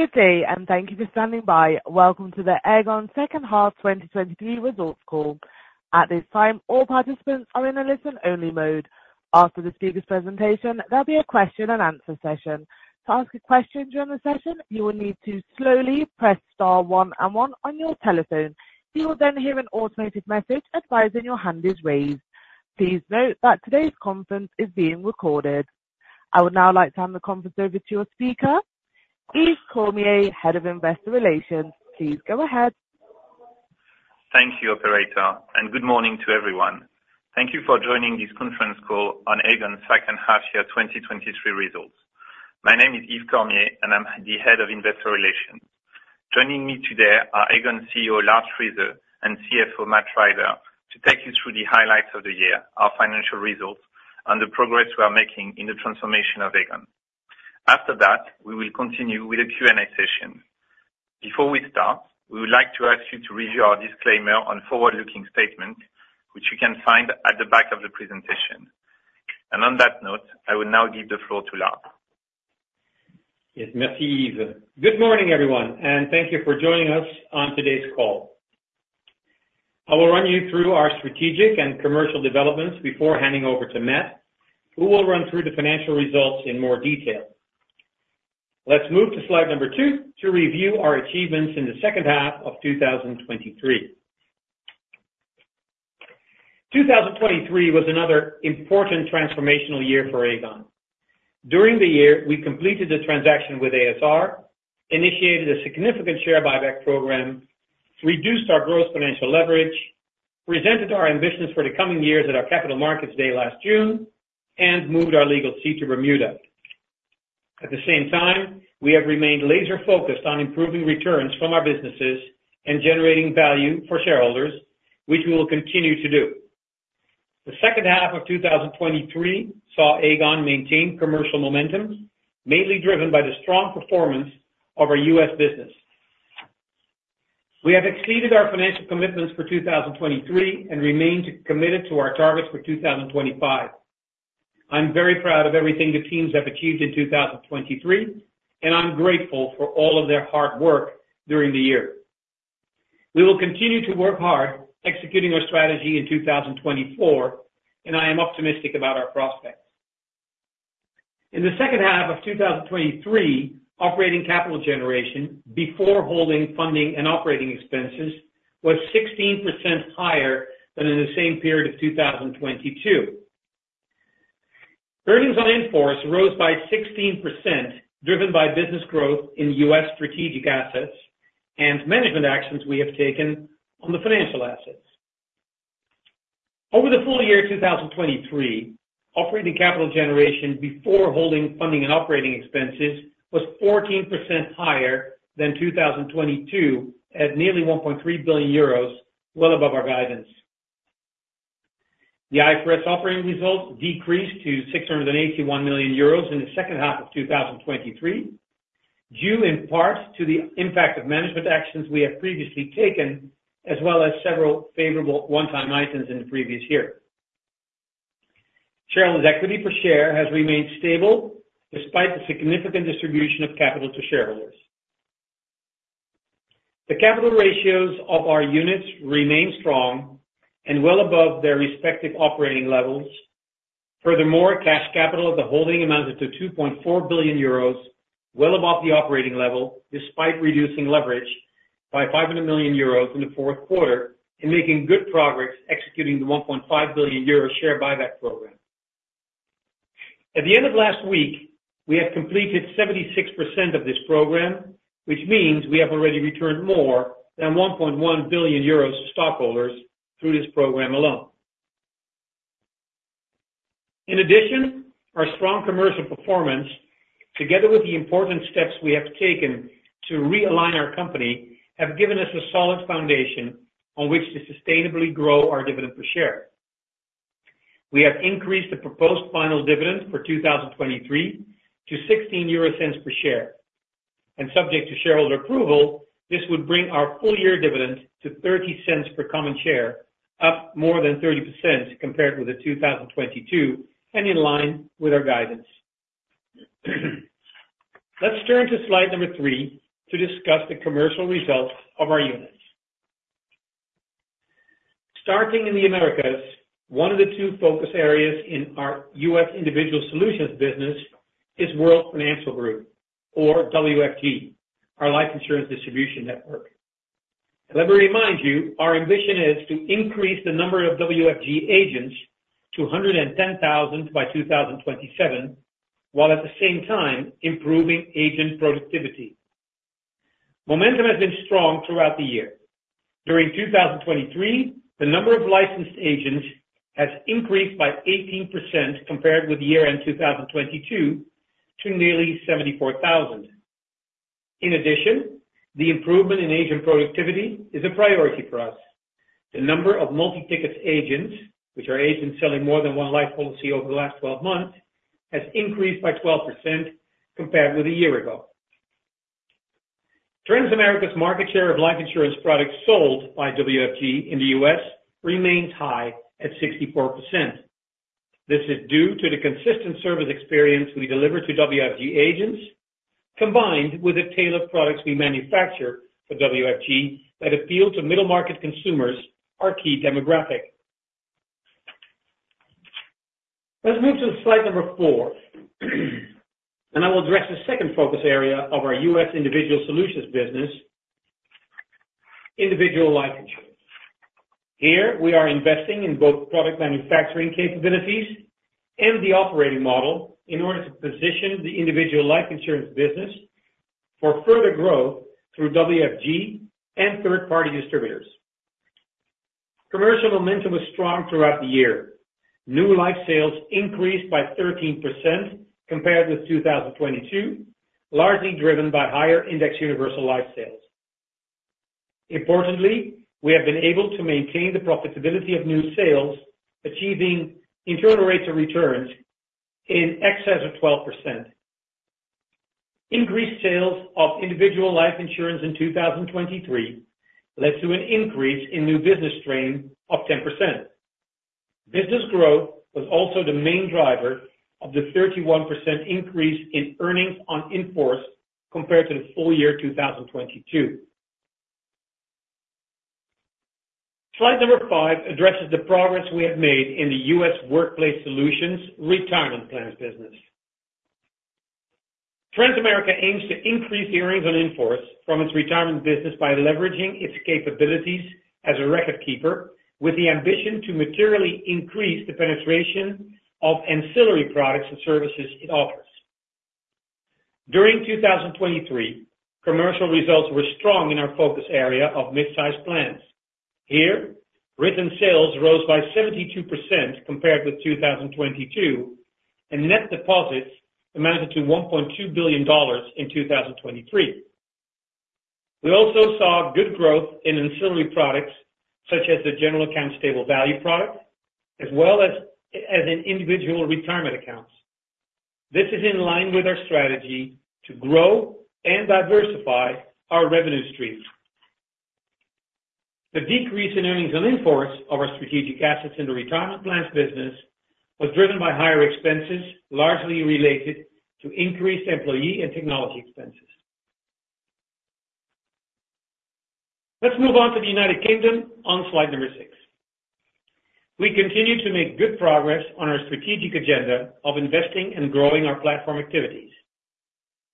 Good day, and thank you for standing by. Welcome to the Aegon second half 2023 results call. At this time, all participants are in a listen-only mode. After the speaker's presentation, there'll be a question-and-answer session. To ask a question during the session, you will need to slowly press star 1 and 1 on your telephone. You will then hear an automated message advising your hand is raised. Please note that today's conference is being recorded. I would now like to hand the conference over to your speaker, Yves Cormier, head of investor relations. Please go ahead. Thank you, operator, and good morning to everyone. Thank you for joining this conference call on Aegon's second half year 2023 results. My name is Yves Cormier, and I'm the head of investor relations. Joining me today are Aegon CEO Lard Friese and CFO Matt Rider to take you through the highlights of the year, our financial results, and the progress we are making in the transformation of Aegon. After that, we will continue with a Q&A session. Before we start, we would like to ask you to review our disclaimer on forward-looking statements, which you can find at the back of the presentation. And on that note, I will now give the floor to Lard. Yes, merci, Yves. Good morning, everyone, and thank you for joining us on today's call. I will run you through our strategic and commercial developments before handing over to Matt, who will run through the financial results in more detail. Let's move to slide number 2 to review our achievements in the second half of 2023. 2023 was another important transformational year for Aegon. During the year, we completed the transaction with a.s.r., initiated a significant share buyback program, reduced our gross financial leverage, presented our ambitions for the coming years at our Capital Markets Day last June, and moved our legal seat to Bermuda. At the same time, we have remained laser-focused on improving returns from our businesses and generating value for shareholders, which we will continue to do. The second half of 2023 saw Aegon maintain commercial momentum, mainly driven by the strong performance of our U.S. business. We have exceeded our financial commitments for 2023 and remained committed to our targets for 2025. I'm very proud of everything the teams have achieved in 2023, and I'm grateful for all of their hard work during the year. We will continue to work hard executing our strategy in 2024, and I am optimistic about our prospects. In the second half of 2023, operating capital generation before holding funding and operating expenses was 16% higher than in the same period of 2022. Earnings on inforce rose by 16% driven by business growth in U.S. strategic assets and management actions we have taken on the financial assets. Over the full year 2023, operating capital generation before holding funding and operating expenses was 14% higher than 2022 at nearly 1.3 billion euros, well above our guidance. The IFRS operating results decreased to 681 million euros in the second half of 2023, due in part to the impact of management actions we have previously taken as well as several favorable one-time items in the previous year. Shareholders' equity per share has remained stable despite the significant distribution of capital to shareholders. The capital ratios of our units remain strong and well above their respective operating levels. Furthermore, cash capital of the holding amounted to 2.4 billion euros, well above the operating level despite reducing leverage by 500 million euros in the fourth quarter and making good progress executing the 1.5 billion euro share buyback program. At the end of last week, we have completed 76% of this program, which means we have already returned more than 1.1 billion euros to stockholders through this program alone. In addition, our strong commercial performance, together with the important steps we have taken to realign our company, have given us a solid foundation on which to sustainably grow our dividend per share. We have increased the proposed final dividend for 2023 to 16 euro per share, and subject to shareholder approval, this would bring our full-year dividend to 0.30 per common share, up more than 30% compared with the 2022 and in line with our guidance. Let's turn to slide number three to discuss the commercial results of our units. Starting in the Americas, one of the two focus areas in our US Individual Solutions business is World Financial Group, or WFG, our life insurance distribution network. Let me remind you, our ambition is to increase the number of WFG agents to 110,000 by 2027 while at the same time improving agent productivity. Momentum has been strong throughout the year. During 2023, the number of licensed agents has increased by 18% compared with year-end 2022 to nearly 74,000. In addition, the improvement in agent productivity is a priority for us. The number of multi-ticket agents, which are agents selling more than one life policy over the last 12 months, has increased by 12% compared with a year ago. Transamerica's market share of life insurance products sold by WFG in the U.S. remains high at 64%. This is due to the consistent service experience we deliver to WFG agents, combined with the tailored products we manufacture for WFG that appeal to middle-market consumers, our key demographic. Let's move to slide number 4, and I will address the second focus area of our U.S. Individual Solutions business, individual life insurance. Here, we are investing in both product manufacturing capabilities and the operating model in order to position the individual life insurance business for further growth through WFG and third-party distributors. Commercial momentum was strong throughout the year. New life sales increased by 13% compared with 2022, largely driven by higher indexed universal life sales. Importantly, we have been able to maintain the profitability of new sales, achieving internal rates of returns in excess of 12%. Increased sales of individual life insurance in 2023 led to an increase in new business strain of 10%. Business growth was also the main driver of the 31% increase in earnings on in-force compared to the full year 2022. Slide number five addresses the progress we have made in the U.S. Workplace Solutions retirement plans business. Transamerica aims to increase the earnings on inforce from its retirement business by leveraging its capabilities as a record keeper with the ambition to materially increase the penetration of ancillary products and services it offers. During 2023, commercial results were strong in our focus area of midsize plans. Here, written sales rose by 72% compared with 2022, and net deposits amounted to $1.2 billion in 2023. We also saw good growth in ancillary products such as the General Account Stable Value product as well as in Individual Retirement Accounts. This is in line with our strategy to grow and diversify our revenue streams. The decrease in earnings on inforce of our strategic assets in the retirement plans business was driven by higher expenses largely related to increased employee and technology expenses. Let's move on to the United Kingdom on slide number six. We continue to make good progress on our strategic agenda of investing and growing our platform activities.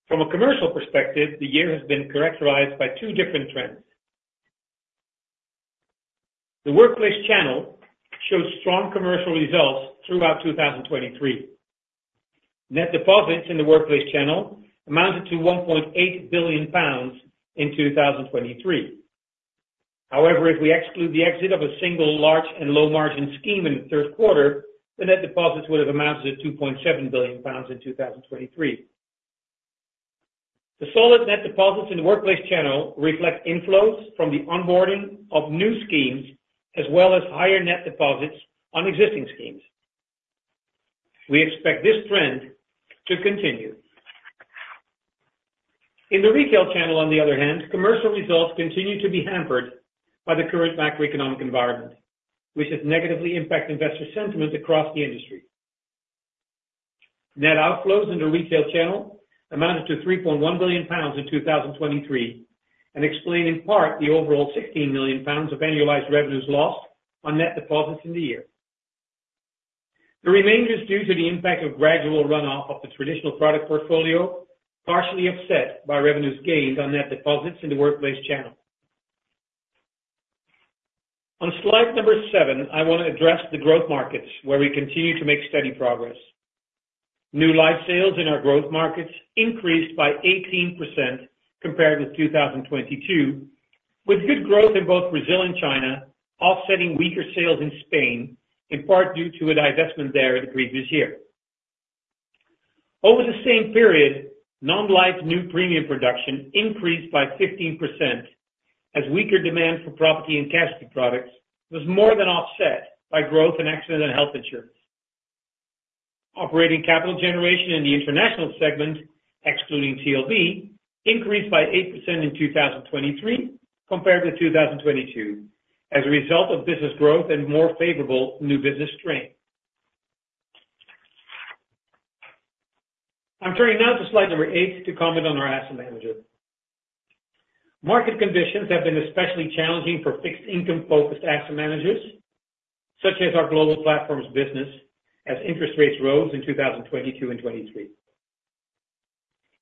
From a commercial perspective, the year has been characterized by two different trends. The workplace channel showed strong commercial results throughout 2023. Net deposits in the workplace channel amounted to 1.8 billion pounds in 2023. However, if we exclude the exit of a single large and low-margin scheme in the third quarter, the net deposits would have amounted to 2.7 billion pounds in 2023. The solid net deposits in the workplace channel reflect inflows from the onboarding of new schemes as well as higher net deposits on existing schemes. We expect this trend to continue. In the retail channel, on the other hand, commercial results continue to be hampered by the current macroeconomic environment, which has negatively impacted investor sentiment across the industry. Net outflows in the retail channel amounted to 3.1 billion pounds in 2023 and explain in part the overall 16 million pounds of annualized revenues lost on net deposits in the year. The remainder is due to the impact of gradual runoff of the traditional product portfolio, partially upset by revenues gained on net deposits in the workplace channel. On slide number 7, I want to address the growth markets where we continue to make steady progress. New life sales in our growth markets increased by 18% compared with 2022, with good growth in both Brazil and China offsetting weaker sales in Spain, in part due to a divestment there in the previous year. Over the same period, non-life new premium production increased by 15% as weaker demand for property and casualty products was more than offset by growth in accident and health insurance. Operating capital generation in the international segment, excluding TLB, increased by 8% in 2023 compared with 2022 as a result of business growth and more favorable new business strain. I'm turning now to slide number 8 to comment on our asset manager. Market conditions have been especially challenging for fixed-income-focused asset managers, such as our global platform's business, as interest rates rose in 2022 and 2023.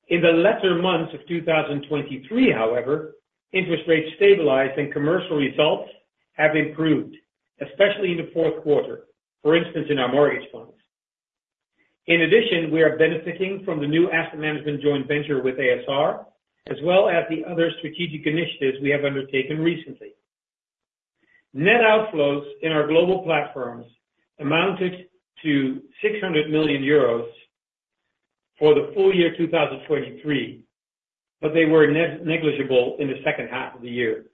In the latter months of 2023, however, interest rates stabilized and commercial results have improved, especially in the fourth quarter, for instance, in our mortgage funds. In addition, we are benefiting from the new asset management joint venture with ASR as well as the other strategic initiatives we have undertaken recently. Net outflows in our global platforms amounted to 600 million euros for the full year 2023, but they were negligible in the second half of the year.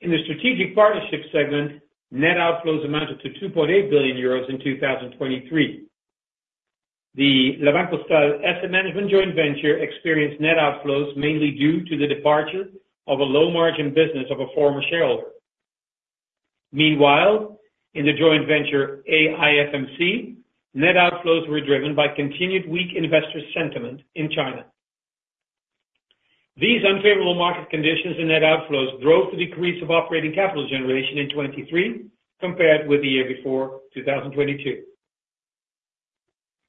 In the strategic partnership segment, net outflows amounted to 2.8 billion euros in 2023. The La Banque Postale Asset Management asset management joint venture experienced net outflows mainly due to the departure of a low-margin business of a former shareholder. Meanwhile, in the joint venture AIFMC, net outflows were driven by continued weak investor sentiment in China. These unfavorable market conditions and net outflows drove the decrease of operating capital generation in 2023 compared with the year before, 2022.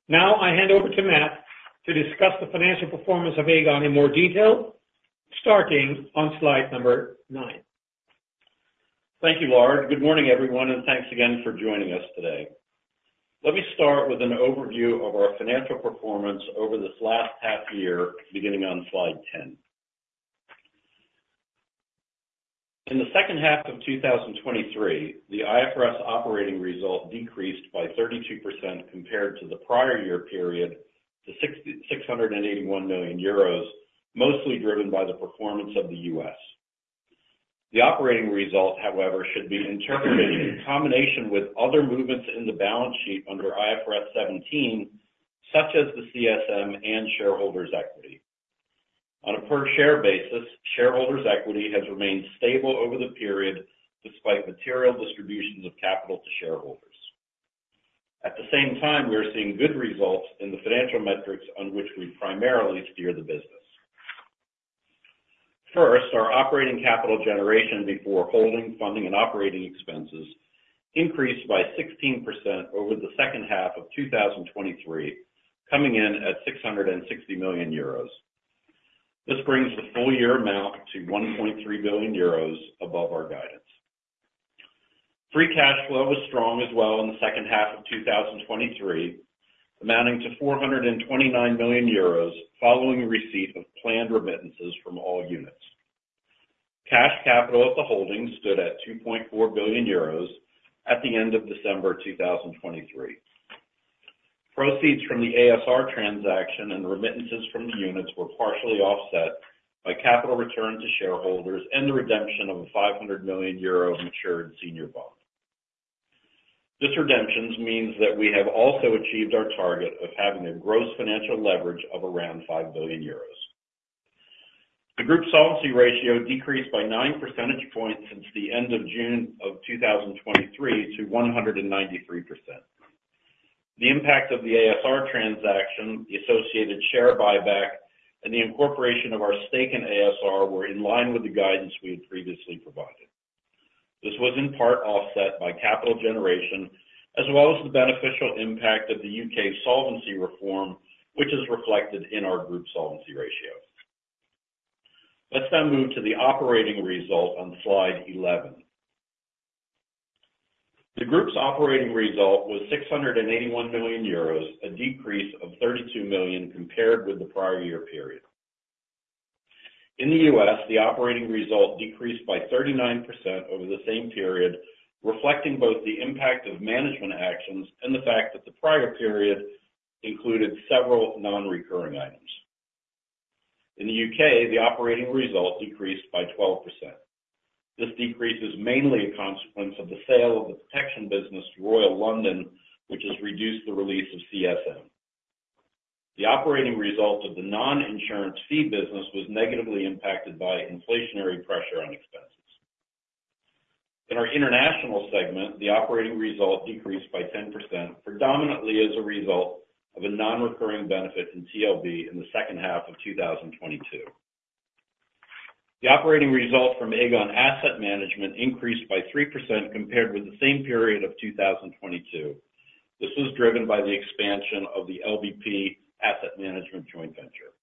Now I hand over to Matt to discuss the financial performance of Aegon in more detail, starting on slide number 9. Thank you, Lard. Good morning, everyone, and thanks again for joining us today. Let me start with an overview of our financial performance over this last half year, beginning on slide 10. In the second half of 2023, the IFRS operating result decreased by 32% compared to the prior year period to 681 million euros, mostly driven by the performance of the U.S. The operating result, however, should be interpreted in combination with other movements in the balance sheet under IFRS 17, such as the CSM and shareholders' equity. On a per-share basis, shareholders' equity has remained stable over the period despite material distributions of capital to shareholders. At the same time, we are seeing good results in the financial metrics on which we primarily steer the business. First, our operating capital generation before holding, funding, and operating expenses increased by 16% over the second half of 2023, coming in at 660 million euros. This brings the full-year amount to 1.3 billion euros above our guidance. Free cash flow was strong as well in the second half of 2023, amounting to 429 million euros following receipt of planned remittances from all units. Cash capital at the holdings stood at 2.4 billion euros at the end of December 2023. Proceeds from the ASR transaction and remittances from the units were partially offset by capital return to shareholders and the redemption of a 500 million euro matured senior bond. This redemption means that we have also achieved our target of having a gross financial leverage of around 5 billion euros. The group solvency ratio decreased by nine percentage points since the end of June of 2023 to 193%. The impact of the ASR transaction, the associated share buyback, and the incorporation of our stake in ASR were in line with the guidance we had previously provided. This was in part offset by capital generation as well as the beneficial impact of the UK solvency reform, which is reflected in our group solvency ratio. Let's now move to the operating result on slide 11. The group's operating result was 681 million euros, a decrease of 32 million compared with the prior year period. In the US, the operating result decreased by 39% over the same period, reflecting both the impact of management actions and the fact that the prior period included several non-recurring items. In the U.K, the operating result decreased by 12%. This decrease is mainly a consequence of the sale of the protection business Royal London, which has reduced the release of CSM. The operating result of the non-insurance fee business was negatively impacted by inflationary pressure on expenses. In our international segment, the operating result decreased by 10% predominantly as a result of a non-recurring benefit in TLB in the second half of 2022. The operating result from Aegon Asset Management increased by 3% compared with the same period of 2022. This was driven by the expansion of the LBP Asset Management joint venture.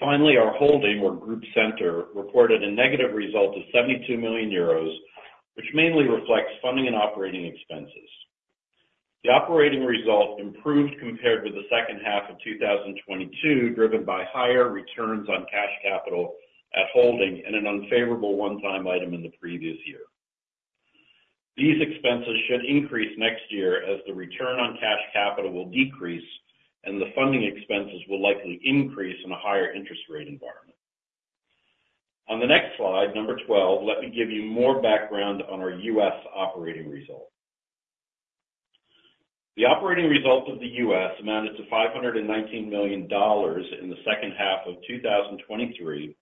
Finally, our holding or group center reported a negative result of 72 million euros, which mainly reflects funding and operating expenses. The operating result improved compared with the second half of 2022, driven by higher returns on cash capital at holding and an unfavorable one-time item in the previous year. These expenses should increase next year as the return on cash capital will decrease and the funding expenses will likely increase in a higher interest rate environment. On the next slide, 12, let me give you more background on our U.S. operating result. The operating result of the U.S. amounted to $519 million in the second half of 2023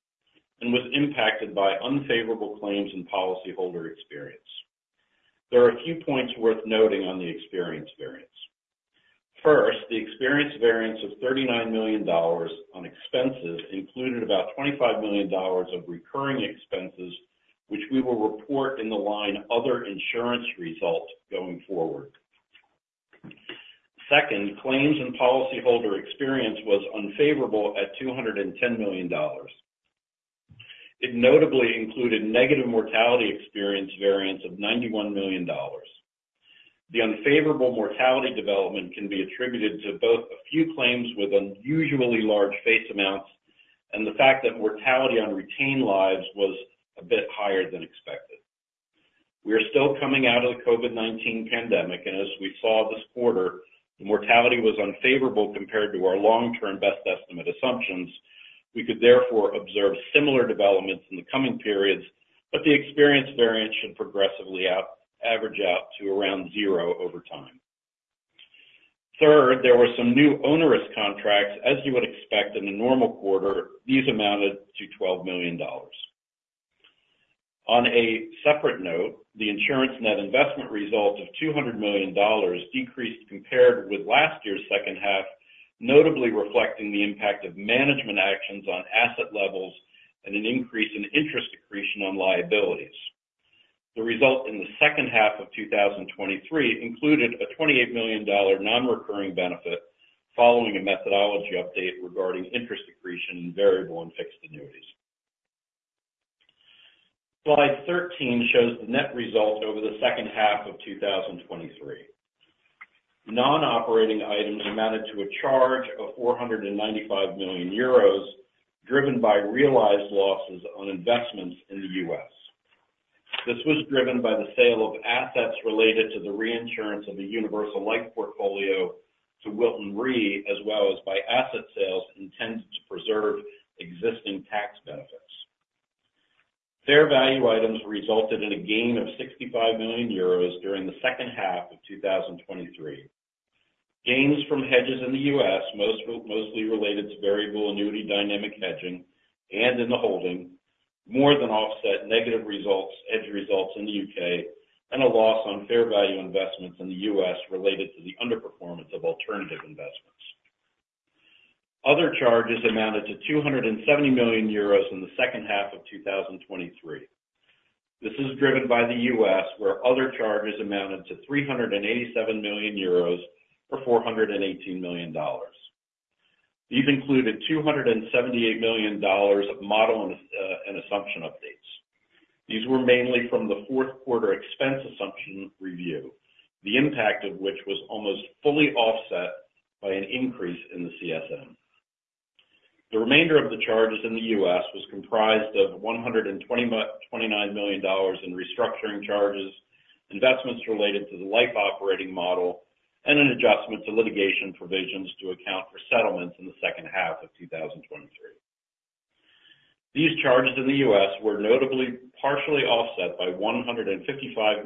and was impacted by unfavorable claims and policyholder experience. There are a few points worth noting on the experience variance. First, the experience variance of $39 million on expenses included about $25 million of recurring expenses, which we will report in the line other insurance result going forward. Second, claims and policyholder experience was unfavorable at $210 million. It notably included negative mortality experience variance of $91 million. The unfavorable mortality development can be attributed to both a few claims with unusually large face amounts and the fact that mortality on retained lives was a bit higher than expected. We are still coming out of the COVID-19 pandemic, and as we saw this quarter, the mortality was unfavorable compared to our long-term best estimate assumptions. We could therefore observe similar developments in the coming periods, but the experience variance should progressively average out to around zero over time. Third, there were some new onerous contracts. As you would expect in a normal quarter, these amounted to $12 million. On a separate note, the insurance net investment result of $200 million decreased compared with last year's second half, notably reflecting the impact of management actions on asset levels and an increase in interest accretion on liabilities. The result in the second half of 2023 included a $28 million non-recurring benefit following a methodology update regarding interest accretion in variable and fixed annuities. Slide 13 shows the net result over the second half of 2023. Non-operating items amounted to a charge of 495 million euros driven by realized losses on investments in the US. This was driven by the sale of assets related to the reinsurance of the Universal Life portfolio to Wilton Re, as well as by asset sales intended to preserve existing tax benefits. Fair value items resulted in a gain of 65 million euros during the second half of 2023. Gains from hedges in the U.S., mostly related to variable annuity dynamic hedging and in the holding, more than offset negative hedge results in the U.K. and a loss on fair value investments in the U.S. related to the underperformance of alternative investments. Other charges amounted to 270 million euros in the second half of 2023. This is driven by the U.S., where other charges amounted to 387 million euros or $418 million. These included $278 million of model and assumption updates. These were mainly from the fourth quarter expense assumption review, the impact of which was almost fully offset by an increase in the CSM. The remainder of the charges in the U.S. was comprised of $129 million in restructuring charges, investments related to the life operating model, and an adjustment to litigation provisions to account for settlements in the second half of 2023. These charges in the U.S. were notably partially offset by 155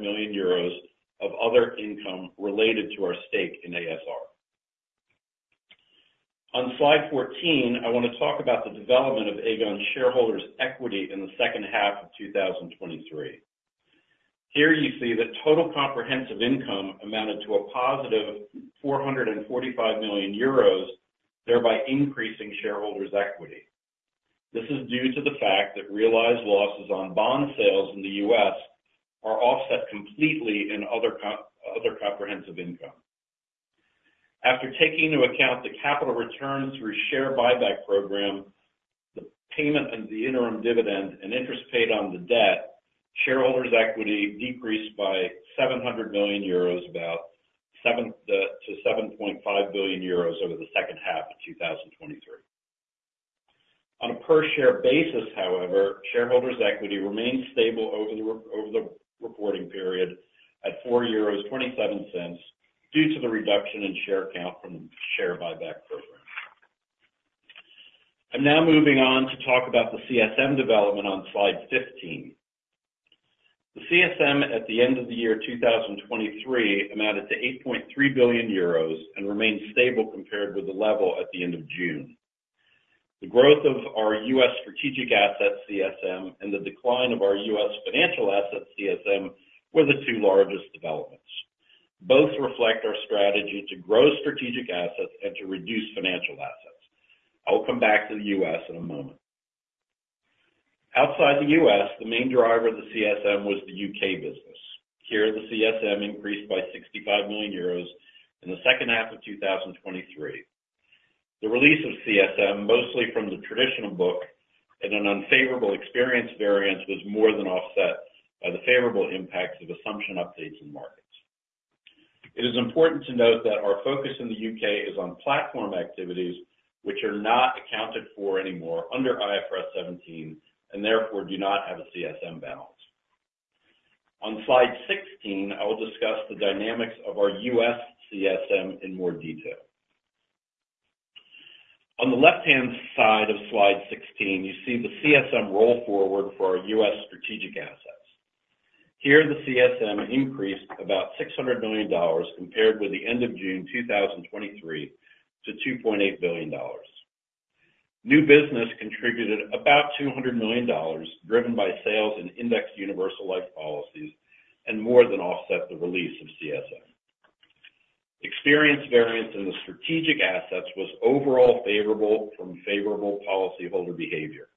million euros of other income related to our stake in a.s.r. On slide 14, I want to talk about the development of Aegon shareholders' equity in the second half of 2023. Here you see that total comprehensive income amounted to a positive 445 million euros, thereby increasing shareholders' equity. This is due to the fact that realized losses on bond sales in the U.S. are offset completely in other comprehensive income. After taking into account the capital returns through share buyback program, the payment of the interim dividend, and interest paid on the debt, shareholders' equity decreased by 700 million euros to about 7.5 billion euros over the second half of 2023. On a per-share basis, however, shareholders' equity remained stable over the reporting period at 4.27 euros due to the reduction in share count from the share buyback program. I'm now moving on to talk about the CSM development on slide 15. The CSM at the end of the year 2023 amounted to 8.3 billion euros and remained stable compared with the level at the end of June. The growth of our US strategic asset CSM and the decline of our US financial asset CSM were the two largest developments. Both reflect our strategy to grow strategic assets and to reduce financial assets. I'll come back to the US in a moment. Outside the US, the main driver of the CSM was the UK business. Here, the CSM increased by 65 million euros in the second half of 2023. The release of CSM, mostly from the traditional book and an unfavorable experience variance, was more than offset by the favorable impacts of assumption updates in markets. It is important to note that our focus in the UK is on platform activities, which are not accounted for anymore under IFRS 17 and therefore do not have a CSM balance. On slide 16, I will discuss the dynamics of our US CSM in more detail. On the left-hand side of slide 16, you see the CSM roll forward for our US strategic assets. Here, the CSM increased about $600 million compared with the end of June 2023 to $2.8 billion. New business contributed about $200 million, driven by sales and Indexed Universal Life policies, and more than offset the release of CSM. Experience variance in the strategic assets was overall favorable from favorable policyholder behavior.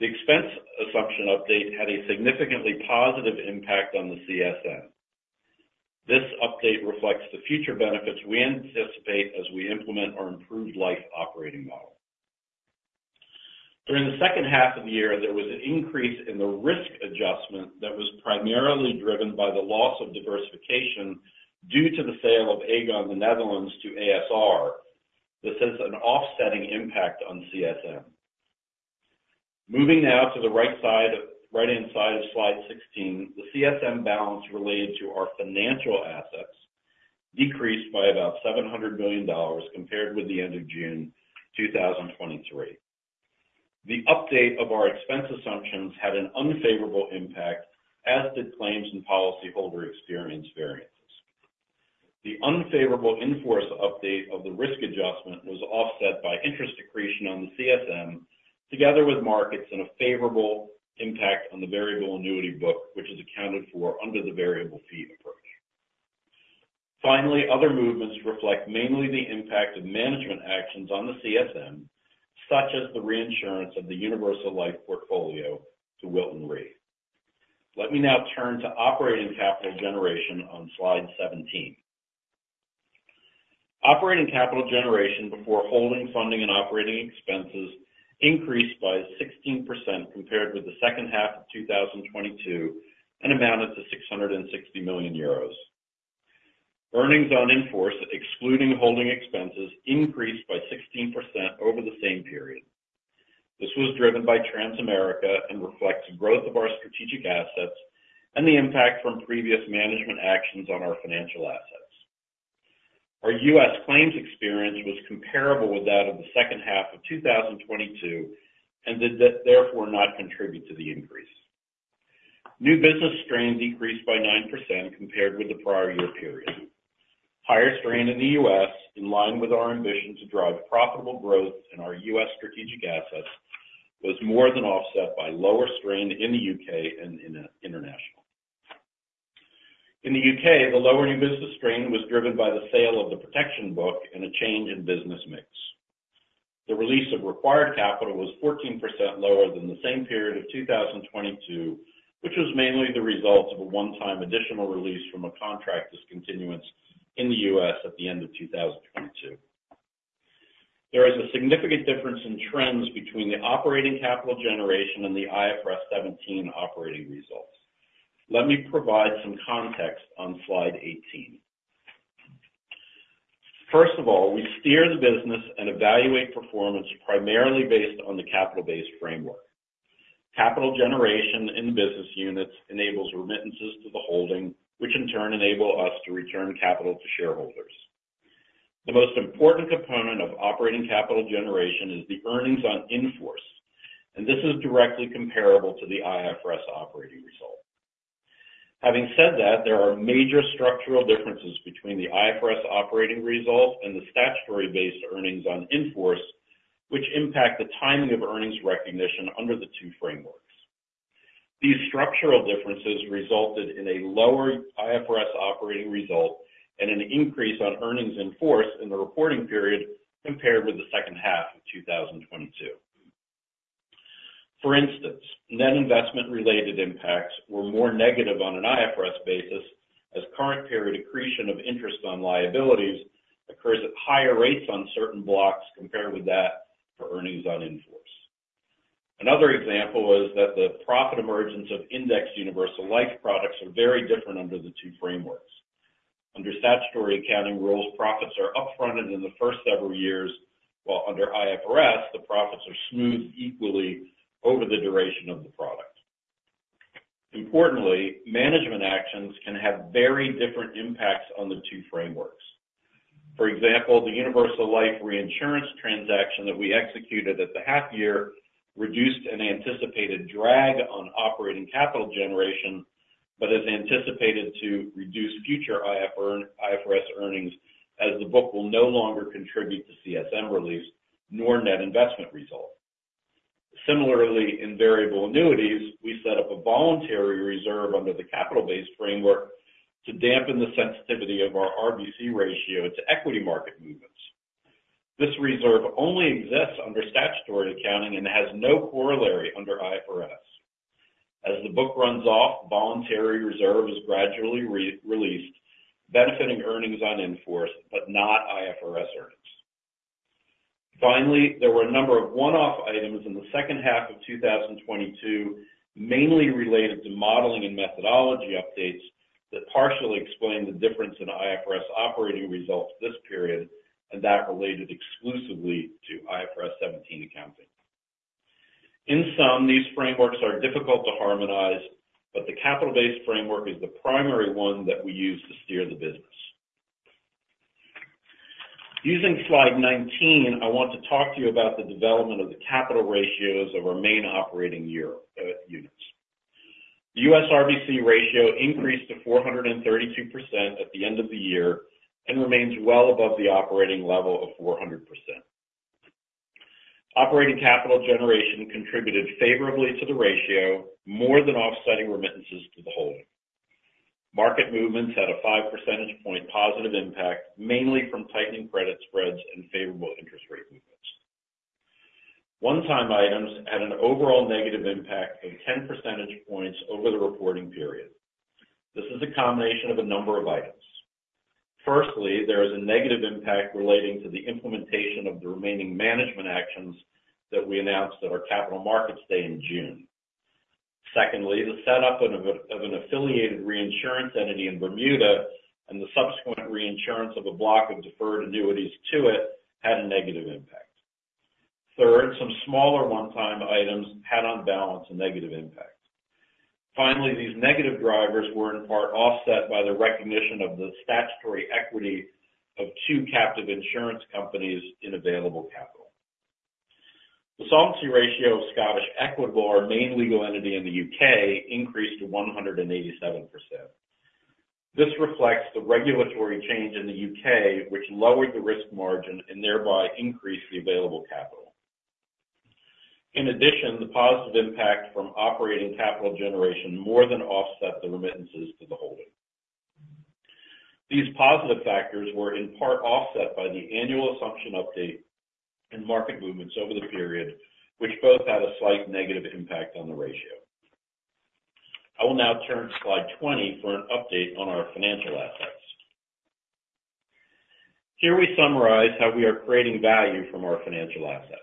The expense assumption update had a significantly positive impact on the CSM. This update reflects the future benefits we anticipate as we implement our improved life operating model. During the second half of the year, there was an increase in the risk adjustment that was primarily driven by the loss of diversification due to the sale of Aegon the Netherlands to ASR. This has an offsetting impact on CSM. Moving now to the right-hand side of slide 16, the CSM balance related to our financial assets decreased by about $700 million compared with the end of June 2023. The update of our expense assumptions had an unfavorable impact, as did claims and policyholder experience variances. The unfavorable in-force update of the risk adjustment was offset by interest accretion on the CSM together with markets and a favorable impact on the Variable Annuity book, which is accounted for under the variable fee approach. Finally, other movements reflect mainly the impact of management actions on the CSM, such as the reinsurance of the Universal Life portfolio to Wilton Re. Let me now turn to Operating Capital Generation on slide 17. Operating Capital Generation before holding funding and operating expenses increased by 16% compared with the second half of 2022 and amounted to 660 million euros. Earnings on in-force, excluding holding expenses, increased by 16% over the same period. This was driven by Transamerica and reflects the growth of our strategic assets and the impact from previous management actions on our financial assets. Our US claims experience was comparable with that of the second half of 2022 and did therefore not contribute to the increase. New business strain decreased by 9% compared with the prior year period. Higher strain in the U.S., in line with our ambition to drive profitable growth in our US strategic assets, was more than offset by lower strain in the UK and internationally. In the U.K., the lower new business strain was driven by the sale of the protection book and a change in business mix. The release of required capital was 14% lower than the same period of 2022, which was mainly the result of a one-time additional release from a contract discontinuance in the US at the end of 2022. There is a significant difference in trends between the operating capital generation and the IFRS 17 operating results. Let me provide some context on slide 18. First of all, we steer the business and evaluate performance primarily based on the capital-based framework. Capital generation in the business units enables remittances to the holding, which in turn enable us to return capital to shareholders. The most important component of operating capital generation is the earnings on in-force, and this is directly comparable to the IFRS operating result. Having said that, there are major structural differences between the IFRS operating result and the statutory-based earnings on in-force, which impact the timing of earnings recognition under the two frameworks. These structural differences resulted in a lower IFRS operating result and an increase on earnings in force in the reporting period compared with the second half of 2022. For instance, net investment-related impacts were more negative on an IFRS basis as current period accretion of interest on liabilities occurs at higher rates on certain blocks compared with that for earnings on in-force. Another example was that the profit emergence of Indexed Universal Life products are very different under the two frameworks. Under statutory accounting rules, profits are upfronted in the first several years, while under IFRS, the profits are smoothed equally over the duration of the product. Importantly, management actions can have very different impacts on the two frameworks. For example, the Universal Life reinsurance transaction that we executed at the half-year reduced an anticipated drag on operating capital generation but is anticipated to reduce future IFRS earnings as the book will no longer contribute to CSM release nor net investment result. Similarly, in variable annuities, we set up a voluntary reserve under the capital-based framework to dampen the sensitivity of our RBC ratio to equity market movements. This reserve only exists under statutory accounting and has no corollary under IFRS. As the book runs off, voluntary reserve is gradually released, benefiting earnings on in-force but not IFRS earnings. Finally, there were a number of one-off items in the second half of 2022, mainly related to modeling and methodology updates that partially explained the difference in IFRS operating results this period and that related exclusively to IFRS 17 accounting. In sum, these frameworks are difficult to harmonize, but the capital-based framework is the primary one that we use to steer the business. Using slide 19, I want to talk to you about the development of the capital ratios of our main operating units. The U.S. RBC ratio increased to 432% at the end of the year and remains well above the operating level of 400%. Operating capital generation contributed favorably to the ratio, more than offsetting remittances to the holding. Market movements had a 5 percentage point positive impact, mainly from tightening credit spreads and favorable interest rate movements. One-time items had an overall negative impact of 10 percentage points over the reporting period. This is a combination of a number of items. Firstly, there is a negative impact relating to the implementation of the remaining management actions that we announced at our Capital Markets Day in June. Secondly, the setup of an affiliated reinsurance entity in Bermuda and the subsequent reinsurance of a block of deferred annuities to it had a negative impact. Third, some smaller one-time items had on balance a negative impact. Finally, these negative drivers were in part offset by the recognition of the statutory equity of two captive insurance companies in available capital. The solvency ratio of Scottish Equitable, our main legal entity in the U.K., increased to 187%. This reflects the regulatory change in the U.K., which lowered the risk margin and thereby increased the available capital. In addition, the positive impact from operating capital generation more than offset the remittances to the holding. These positive factors were in part offset by the annual assumption update and market movements over the period, which both had a slight negative impact on the ratio. I will now turn to slide 20 for an update on our financial assets. Here we summarize how we are creating value from our financial assets.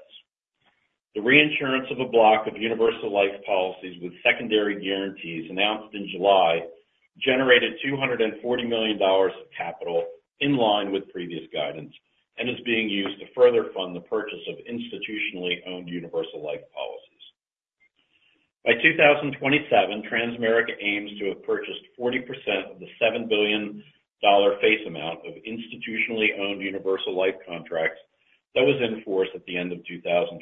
The reinsurance of a block of Universal Life policies with secondary guarantees announced in July generated $240 million of capital in line with previous guidance and is being used to further fund the purchase of institutionally owned Universal Life policies. By 2027, Transamerica aims to have purchased 40% of the $7 billion face amount of institutionally owned Universal Life contracts that was in force at the end of 2021.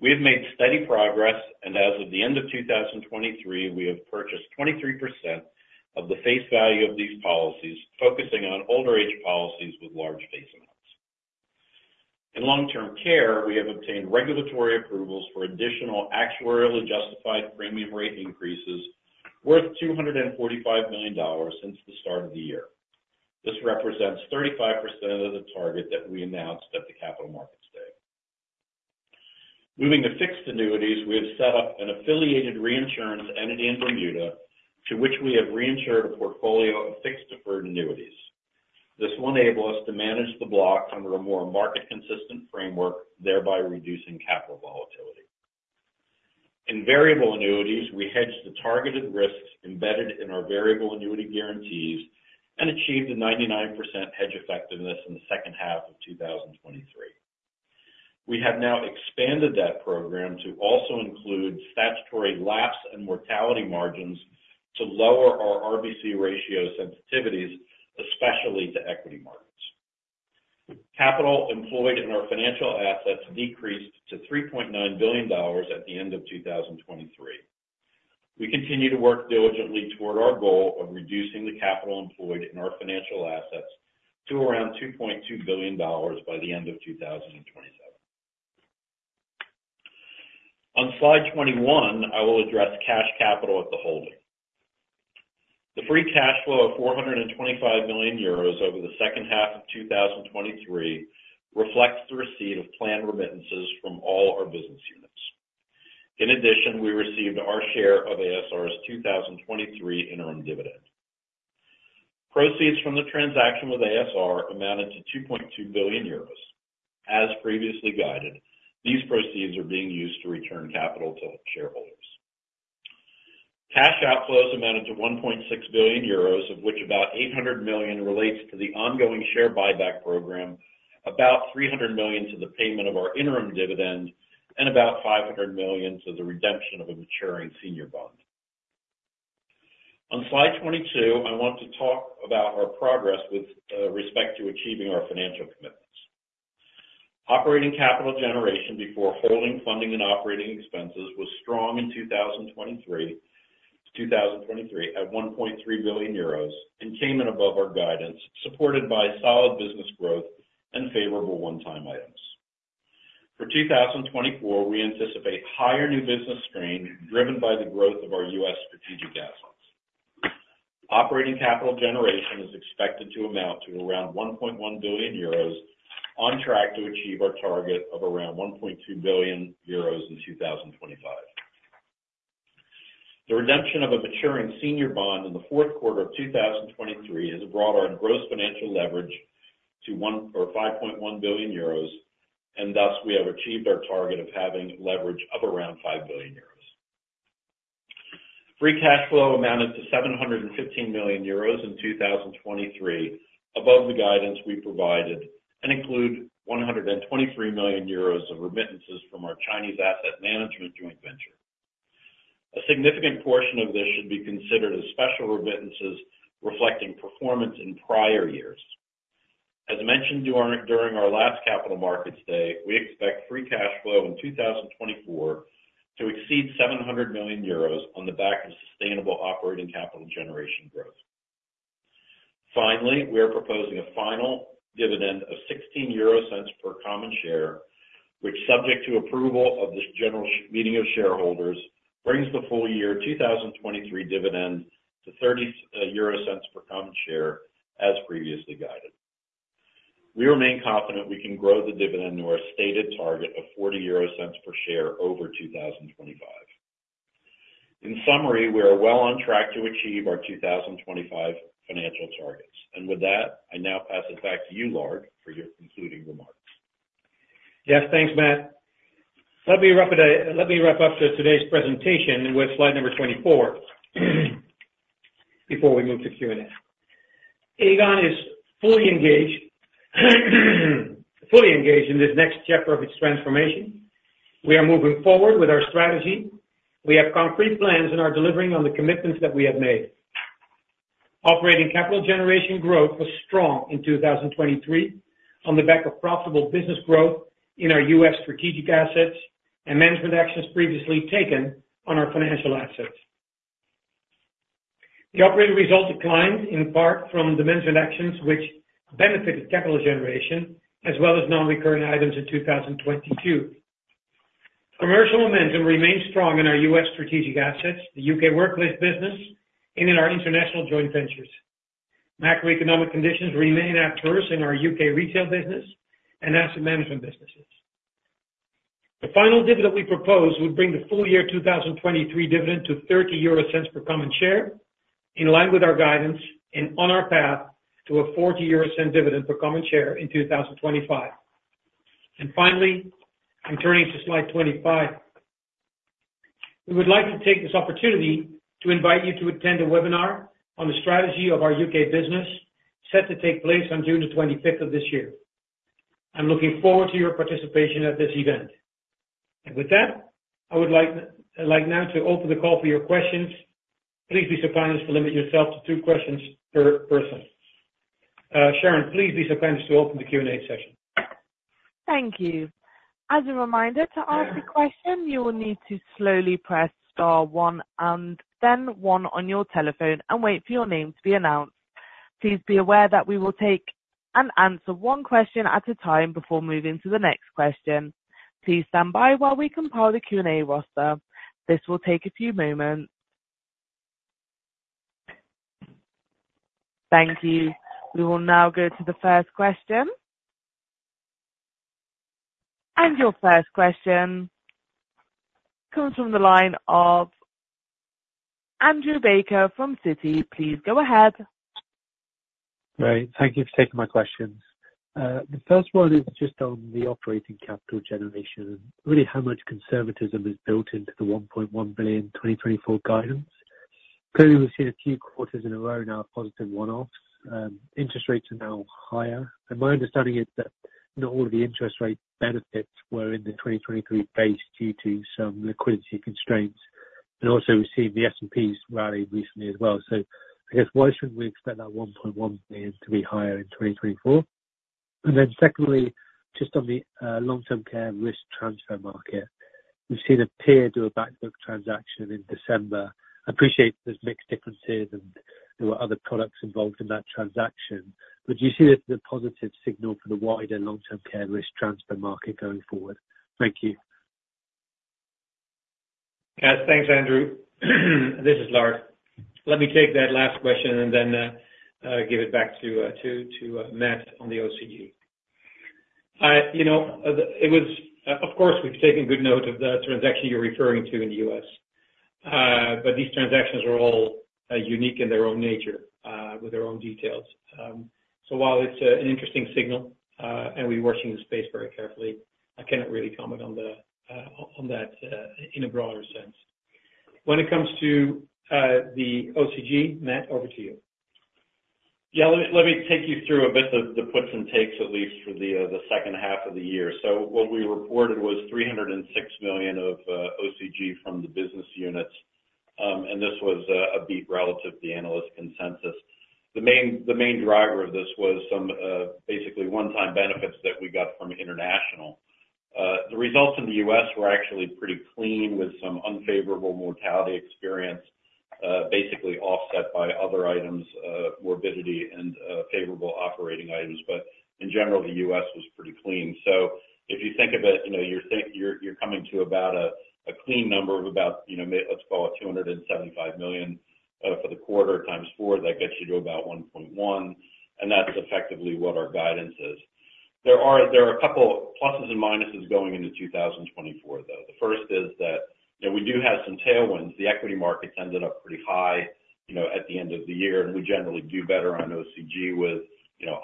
We have made steady progress, and as of the end of 2023, we have purchased 23% of the face value of these policies, focusing on older age policies with large face amounts. In long-term care, we have obtained regulatory approvals for additional actuarially justified premium rate increases worth $245 million since the start of the year. This represents 35% of the target that we announced at the Capital Markets Day. Moving to fixed annuities, we have set up an affiliated reinsurance entity in Bermuda to which we have reinsured a portfolio of fixed deferred annuities. This will enable us to manage the block under a more market-consistent framework, thereby reducing capital volatility. In variable annuities, we hedged the targeted risks embedded in our variable annuity guarantees and achieved a 99% hedge effectiveness in the second half of 2023. We have now expanded that program to also include statutory lapse and mortality margins to lower our RBC ratio sensitivities, especially to equity markets. Capital employed in our financial assets decreased to $3.9 billion at the end of 2023. We continue to work diligently toward our goal of reducing the capital employed in our financial assets to around $2.2 billion by the end of 2027. On slide 21, I will address cash capital at the holding. The free cash flow of 425 million euros over the second half of 2023 reflects the receipt of planned remittances from all our business units. In addition, we received our share of ASR's 2023 interim dividend. Proceeds from the transaction with ASR amounted to 2.2 billion euros. As previously guided, these proceeds are being used to return capital to shareholders. Cash outflows amounted to 1.6 billion euros, of which about 800 million relates to the ongoing share buyback program, about 300 million to the payment of our interim dividend, and about 500 million to the redemption of a maturing senior bond. On slide 22, I want to talk about our progress with respect to achieving our financial commitments. Operating capital generation before holding funding and operating expenses was strong in 2023 at 1.3 billion euros and came in above our guidance, supported by solid business growth and favorable one-time items. For 2024, we anticipate higher new business strain driven by the growth of our U.S. strategic assets. Operating capital generation is expected to amount to around 1.1 billion euros on track to achieve our target of around 1.2 billion euros in 2025. The redemption of a maturing senior bond in the fourth quarter of 2023 has brought our gross financial leverage to 5.1 billion euros, and thus we have achieved our target of having leverage of around 5 billion euros. Free cash flow amounted to 715 million euros in 2023, above the guidance we provided, and include 123 million euros of remittances from our Chinese asset management joint venture. A significant portion of this should be considered as special remittances reflecting performance in prior years. As mentioned during our last Capital Markets Day, we expect free cash flow in 2024 to exceed 700 million euros on the back of sustainable operating capital generation growth. Finally, we are proposing a final dividend of 0.16 per common share, which, subject to approval of this general meeting of shareholders, brings the full year 2023 dividend to 0.30 per common share as previously guided. We remain confident we can grow the dividend to our stated target of 0.40 per share over 2025. In summary, we are well on track to achieve our 2025 financial targets. And with that, I now pass it back to you, Lard, for your concluding remarks. Yes, thanks, Matt. Let me wrap up today's presentation with slide number 24 before we move to Q&A. Aegon is fully engaged in this next chapter of its transformation. We are moving forward with our strategy. We have concrete plans and are delivering on the commitments that we have made. Operating capital generation growth was strong in 2023 on the back of profitable business growth in our U.S. strategic assets and management actions previously taken on our financial assets. The operating result declined in part from the management actions, which benefited capital generation as well as non-recurring items in 2022. Commercial momentum remains strong in our U.S. strategic assets, the U.K. workplace business, and in our international joint ventures. Macroeconomic conditions remain adverse in our U.K. retail business and asset management businesses. The final dividend we propose would bring the full year 2023 dividend to 0.30 per common share in line with our guidance and on our path to a 0.40 dividend per common share in 2025. Finally, I'm turning to slide 25. We would like to take this opportunity to invite you to attend a webinar on the strategy of our UK business set to take place on June the 25th of this year. I'm looking forward to your participation at this event. And with that, I would like now to open the call for your questions. Please be so kind as to limit yourself to two questions per person. Sharon, please be so kind as to open the Q&A session. Thank you. As a reminder to ask a question, you will need to slowly press star one and then one on your telephone and wait for your name to be announced. Please be aware that we will take and answer one question at a time before moving to the next question. Please stand by while we compile the Q&A roster. This will take a few moments. Thank you. We will now go to the first question. And your first question comes from the line of Andrew Baker from Citi. Please go ahead. Great. Thank you for taking my questions. The first one is just on the operating capital generation and really how much conservatism is built into the 1.1 billion 2024 guidance. Clearly, we've seen a few quarters in a row now positive one-offs. Interest rates are now higher. And my understanding is that not all of the interest rate benefits were in the 2023 base due to some liquidity constraints and also we've seen the S&P's rally recently as well. So I guess why shouldn't we expect that 1.1 billion to be higher in 2024? And then secondly, just on the long-term care risk transfer market, we've seen a peer do a backbook transaction in December. I appreciate there's mixed differences and there were other products involved in that transaction, but do you see this as a positive signal for the wider long-term care risk transfer market going forward? Thank you. Yes, thanks, Andrew. This is Lard. Let me take that last question and then give it back to Matt on the OCG. Of course, we've taken good note of the transaction you're referring to in the U.S., but these transactions are all unique in their own nature with their own details. So while it's an interesting signal and we're watching the space very carefully, I cannot really comment on that in a broader sense. When it comes to the OCG, Matt, over to you. Yeah, let me take you through a bit of the puts and takes, at least for the second half of the year. So what we reported was $306 million of OCG from the business units, and this was a beat relative to the analyst consensus. The main driver of this was some basically one-time benefits that we got from international. The results in the U.S. were actually pretty clean with some unfavorable mortality experience, basically offset by other items, morbidity, and favorable operating items. But in general, the U.S. was pretty clean. So if you think of it, you're coming to about a clean number of about, let's call it, $275 million for the quarter times four. That gets you to about $1.1 billion, and that's effectively what our guidance is. There are a couple of pluses and minuses going into 2024, though. The first is that we do have some tailwinds. The equity markets ended up pretty high at the end of the year, and we generally do better on OCG with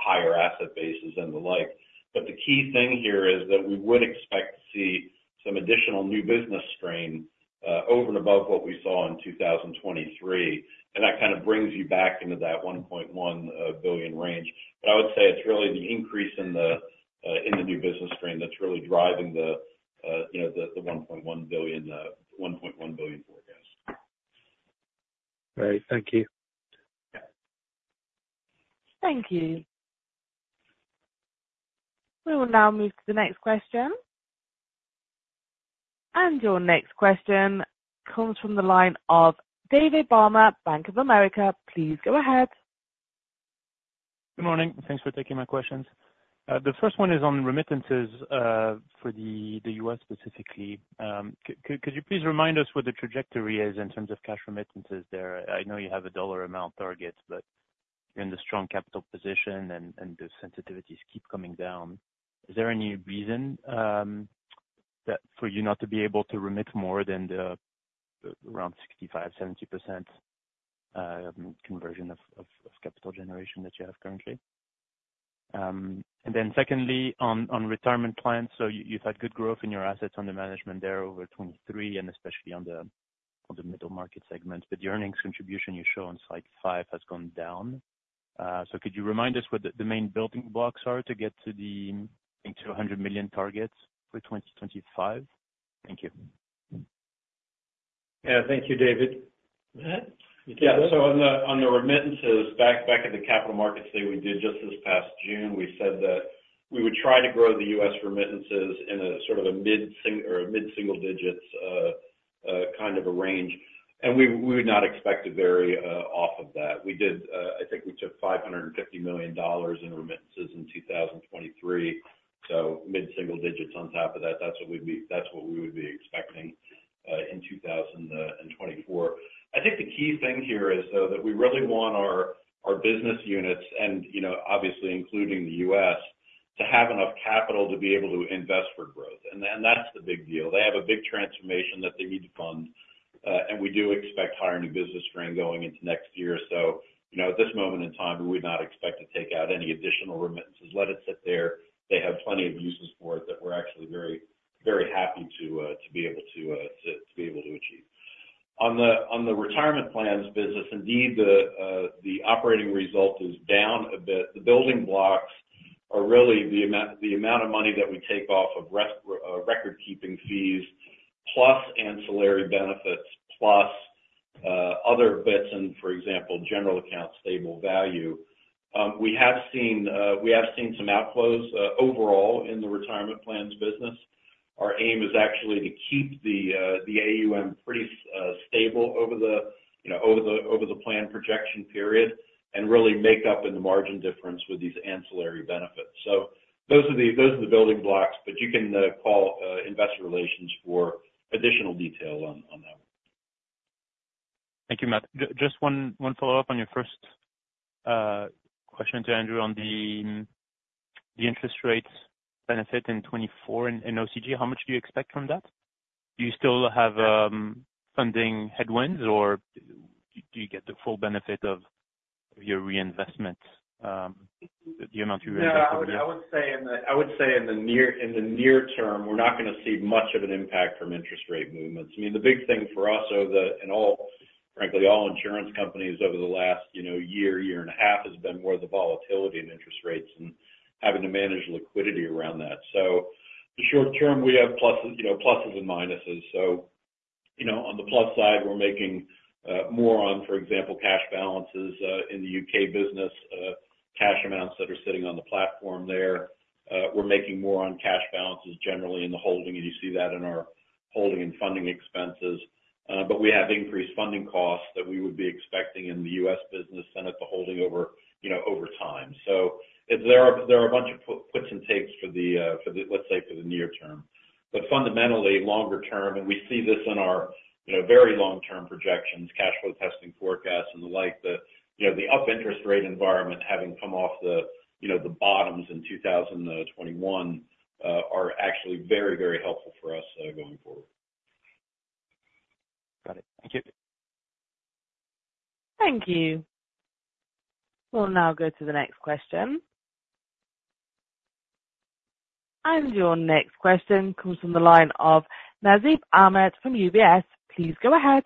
higher asset bases and the like. But the key thing here is that we would expect to see some additional new business strain over and above what we saw in 2023. And that kind of brings you back into that $1.1 billion range. But I would say it's really the increase in the new business strain that's really driving the $1.1 billion forecast. Great. Thank you. Thank you. We will now move to the next question. And your next question comes from the line of David Barmer, Bank of America. Please go ahead. Good morning. Thanks for taking my questions. The first one is on remittances for the U.S. specifically. Could you please remind us what the trajectory is in terms of cash remittances there? I know you have a dollar amount target, but you're in the strong capital position and the sensitivities keep coming down. Is there any reason for you not to be able to remit more than the around 65%-70% conversion of capital generation that you have currently? And then secondly, on retirement plans, so you've had good growth in your assets under management there over 2023 and especially on the middle market segment. But the earnings contribution you show on slide 5 has gone down. So could you remind us what the main building blocks are to get to the $100 million targets for 2025? Thank you. Yeah, thank you, David. Matt? You can go ahead. Yeah, so on the remittances, back at the Capital Markets Day we did just this past June, we said that we would try to grow the US remittances in sort of a mid-single digits kind of a range. And we would not expect to vary off of that. I think we took $550 million in remittances in 2023. So mid-single digits on top of that, that's what we would be expecting in 2024. I think the key thing here is, though, that we really want our business units, and obviously including the U.S., to have enough capital to be able to invest for growth. And that's the big deal. They have a big transformation that they need to fund, and we do expect higher new business strain going into next year. So at this moment in time, we would not expect to take out any additional remittances. Let it sit there. They have plenty of uses for it that we're actually very happy to be able to achieve. On the retirement plans business, indeed, the operating result is down a bit. The building blocks are really the amount of money that we take off of record-keeping fees plus ancillary benefits plus other bits and, for example, General Account Stable Value. We have seen some outflows overall in the retirement plans business. Our aim is actually to keep the AUM pretty stable over the plan projection period and really make up in the margin difference with these ancillary benefits. So those are the building blocks, but you can call investor relations for additional detail on that. Thank you, Matt. Just one follow-up on your first question to Andrew on the interest rate benefit in 2024 and OCG. How much do you expect from that? Do you still have funding headwinds, or do you get the full benefit of your reinvestment, the amount you reinvested? Yeah, I would say in the near term, we're not going to see much of an impact from interest rate movements. I mean, the big thing for us, frankly, all insurance companies over the last year, year and a half, has been more the volatility in interest rates and having to manage liquidity around that. So the short term, we have pluses and minuses. So on the plus side, we're making more on, for example, cash balances in the UK business, cash amounts that are sitting on the platform there. We're making more on cash balances generally in the holding, and you see that in our holding and funding expenses. But we have increased funding costs that we would be expecting in the U.S. business and at the holding over time. So there are a bunch of puts and takes for the, let's say, for the near term. But fundamentally, longer term, and we see this in our very long-term projections, cash flow testing forecasts and the like, the up interest rate environment having come off the bottoms in 2021 are actually very, very helpful for us going forward. Got it. Thank you. Thank you. We'll now go to the next question. And your next question comes from the line of Nasib Ahmed from UBS. Please go ahead.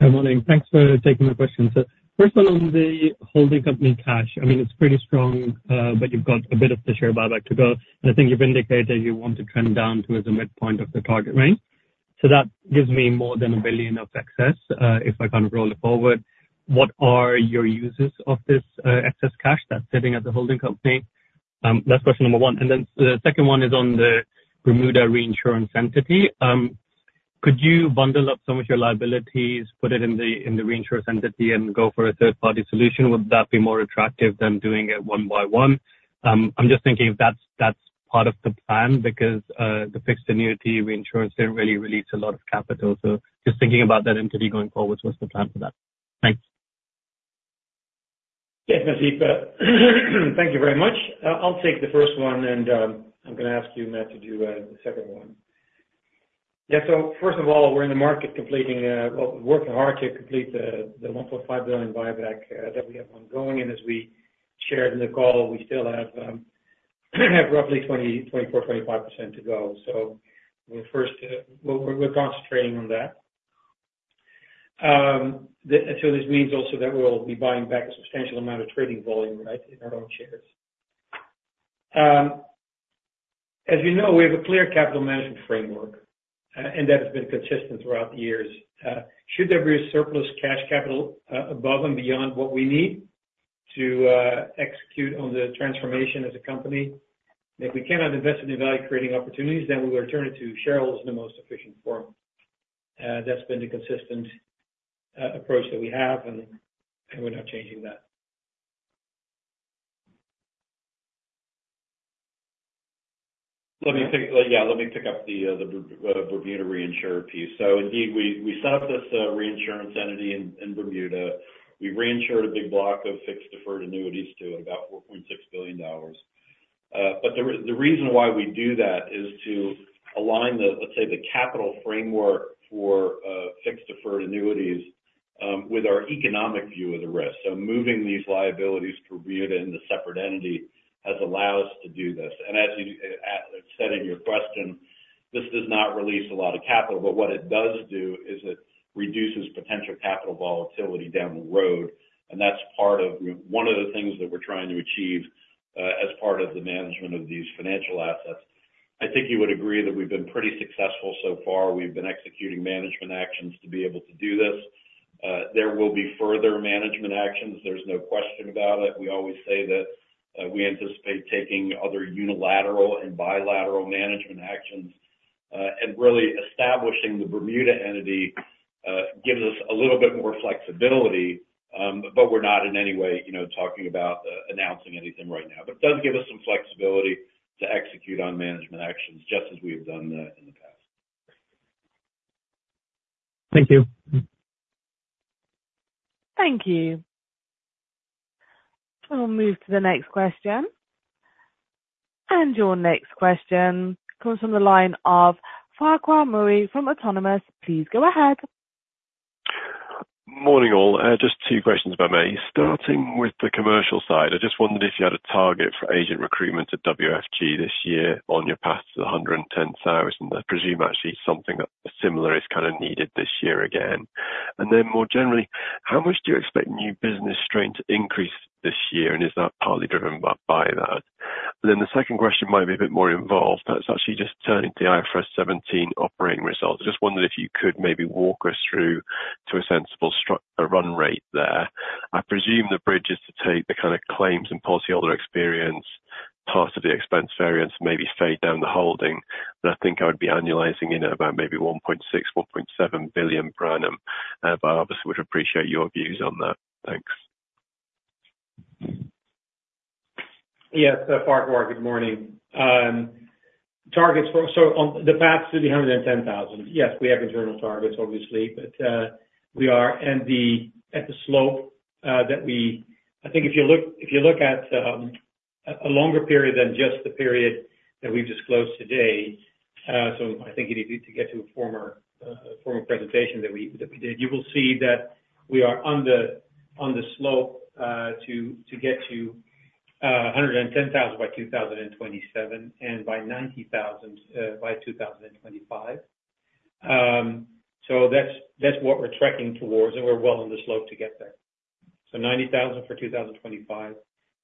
Good morning. Thanks for taking my question. So first one, on the holding company cash, I mean, it's pretty strong, but you've got a bit of the share buyback to go. I think you've indicated that you want to trend down to as a midpoint of the target range. So that gives me more than 1 billion of excess if I kind of roll it forward. What are your uses of this excess cash that's sitting at the holding company? That's question number 1. And then the second one is on the Bermuda reinsurance entity. Could you bundle up some of your liabilities, put it in the reinsurance entity, and go for a third-party solution? Would that be more attractive than doing it one by one? I'm just thinking if that's part of the plan because the fixed annuity reinsurance didn't really release a lot of capital. So just thinking about that entity going forward, what's the plan for that? Thanks. Yes, Nasib. Thank you very much. I'll take the first one, and I'm going to ask you, Matt, to do the second one. Yeah, so first of all, we're in the market working hard to complete the $1.5 billion buyback that we have ongoing. And as we shared in the call, we still have roughly 24%-25% to go. So we're concentrating on that. So this means also that we'll be buying back a substantial amount of trading volume, right, in our own shares. As you know, we have a clear capital management framework, and that has been consistent throughout the years. Should there be a surplus cash capital above and beyond what we need to execute on the transformation as a company, and if we cannot invest it in value-creating opportunities, then we will return it to shareholders in the most efficient form. That's been the consistent approach that we have, and we're not changing that. Yeah, let me pick up the Bermuda reinsurance piece. So indeed, we set up this reinsurance entity in Bermuda. We reinsured a big block of fixed deferred annuities too, about $4.6 billion. But the reason why we do that is to align, let's say, the capital framework for fixed deferred annuities with our economic view of the risk. So moving these liabilities to Bermuda in the separate entity has allowed us to do this. And as to your question, this does not release a lot of capital, but what it does do is it reduces potential capital volatility down the road. And that's one of the things that we're trying to achieve as part of the management of these financial assets. I think you would agree that we've been pretty successful so far. We've been executing management actions to be able to do this. There will be further management actions. There's no question about it. We always say that we anticipate taking other unilateral and bilateral management actions. Really, establishing the Bermuda entity gives us a little bit more flexibility, but we're not in any way talking about announcing anything right now. But it does give us some flexibility to execute on management actions just as we have done in the past. Thank you. Thank you. We'll move to the next question. Your next question comes from the line of Farquhar Murray from Autonomous. Please go ahead. Morning, all. Just two questions, if I may. Starting with the commercial side, I just wondered if you had a target for agent recruitment at WFG this year on your path to the 110,000. I presume actually something similar is kind of needed this year again. And then more generally, how much do you expect new business strain to increase this year, and is that partly driven by that? And then the second question might be a bit more involved. That's actually just turning to IFRS 17 operating results. I just wondered if you could maybe walk us through to a sensible run rate there. I presume the bridge is to take the kind of claims and policyholder experience part of the expense variance and maybe fade down the holding. But I think I would be annualizing in at about maybe 1.6 billion-1.7 billion. But I obviously would appreciate your views on that. Thanks. Yeah, so Farquhar, good morning. So on the path to the 110,000, yes, we have internal targets, obviously, but we are at the slope that we I think if you look at a longer period than just the period that we've disclosed today - so I think you need to get to a former presentation that we did - you will see that we are on the slope to get to 110,000 by 2027 and by 90,000 by 2025. So that's what we're tracking towards, and we're well on the slope to get there. So 90,000 for 2025,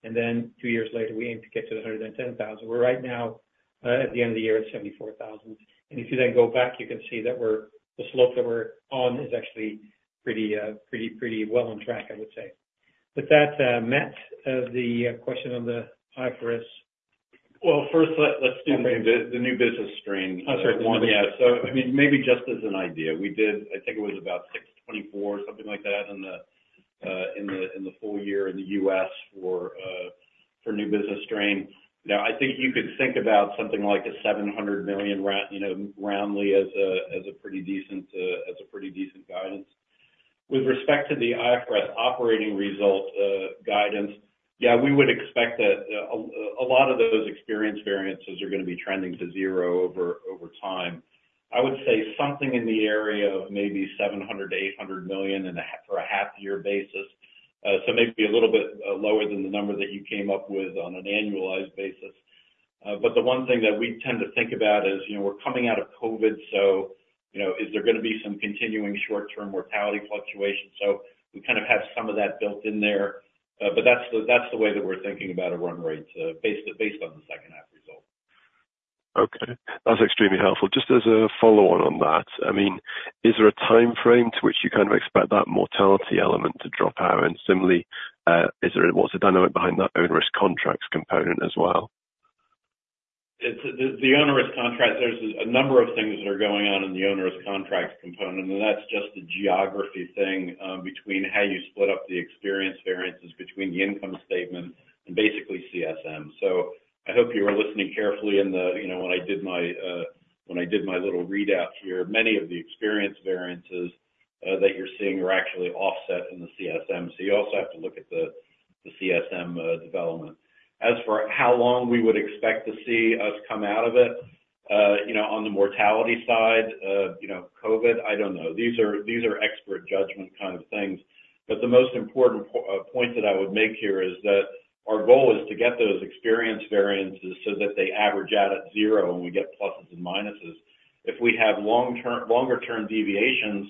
and then two years later, we aim to get to the 110,000. We're right now, at the end of the year, at 74,000. And if you then go back, you can see that the slope that we're on is actually pretty well on track, I would say. With that, Matt, the question on the IFRS. Well, first, let's do the new business strain. Oh, sorry. Yeah, so I mean, maybe just as an idea. I think it was about 624 million, something like that, in the full year in the US for new business strain. Now, I think you could think about something like 700 million roundly as a pretty decent guidance. With respect to the IFRS operating result guidance, yeah, we would expect that a lot of those experience variances are going to be trending to zero over time. I would say something in the area of maybe 700-800 million on a half-year basis, so maybe a little bit lower than the number that you came up with on an annualized basis. But the one thing that we tend to think about is we're coming out of COVID, so is there going to be some continuing short-term mortality fluctuation? So we kind of have some of that built in there. But that's the way that we're thinking about a run rate based on the second-half result. Okay. That's extremely helpful. Just as a follow-on on that, I mean, is there a timeframe to which you kind of expect that mortality element to drop out? And similarly, what's the dynamic behind that ownership contracts component as well? The ownership contracts, there's a number of things that are going on in the ownership contracts component, and that's just the geography thing between how you split up the experience variances between the income statement and basically CSM. So I hope you were listening carefully when I did my little readout here. Many of the experience variances that you're seeing are actually offset in the CSM, so you also have to look at the CSM development. As for how long we would expect to see us come out of it, on the mortality side, COVID, I don't know. These are expert judgment kind of things. But the most important point that I would make here is that our goal is to get those experience variances so that they average out at zero and we get pluses and minuses. If we have longer-term deviations,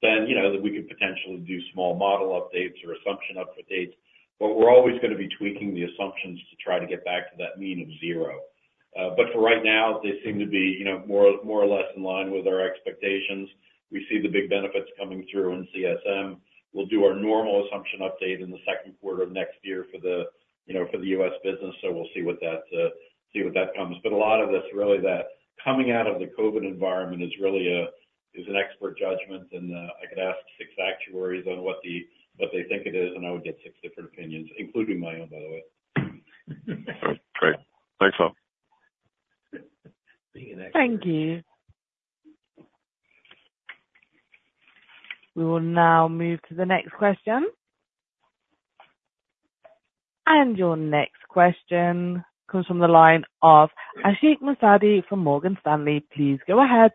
then we could potentially do small model updates or assumption updates, but we're always going to be tweaking the assumptions to try to get back to that mean of zero. But for right now, they seem to be more or less in line with our expectations. We see the big benefits coming through in CSM. We'll do our normal assumption update in the second quarter of next year for the U.S. business, so we'll see what that comes. But a lot of this, really, that coming out of the COVID environment is an expert judgment, and I could ask six actuaries on what they think it is, and I would get six different opinions, including my own, by the way. Great. Thanks, all. Being an expert. Thank you. We will now move to the next question. And your next question comes from the line of Asheek Moussadi from Morgan Stanley. Please go ahead.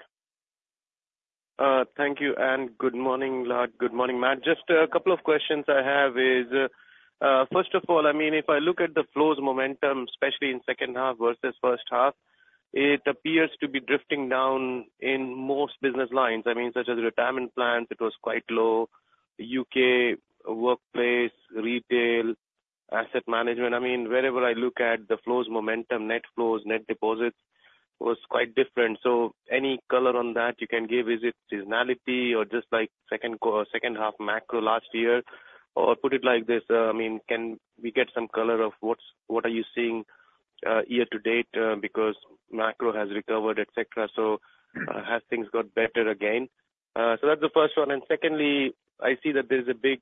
Thank you, and good morning, Lard. Good morning, Matt. Just a couple of questions I have is. First of all, I mean, if I look at the flows momentum, especially in second half versus first half, it appears to be drifting down in most business lines. I mean, such as retirement plans, it was quite low. U.K. workplace, retail, asset management. I mean, wherever I look at the flows momentum, net flows, net deposits, was quite different. So any color on that you can give: is it seasonality or just second-half macro last year? Or put it like this, I mean, can we get some color on what are you seeing year to date because macro has recovered, etc., so have things got better again? So that's the first one. And secondly, I see that there's a big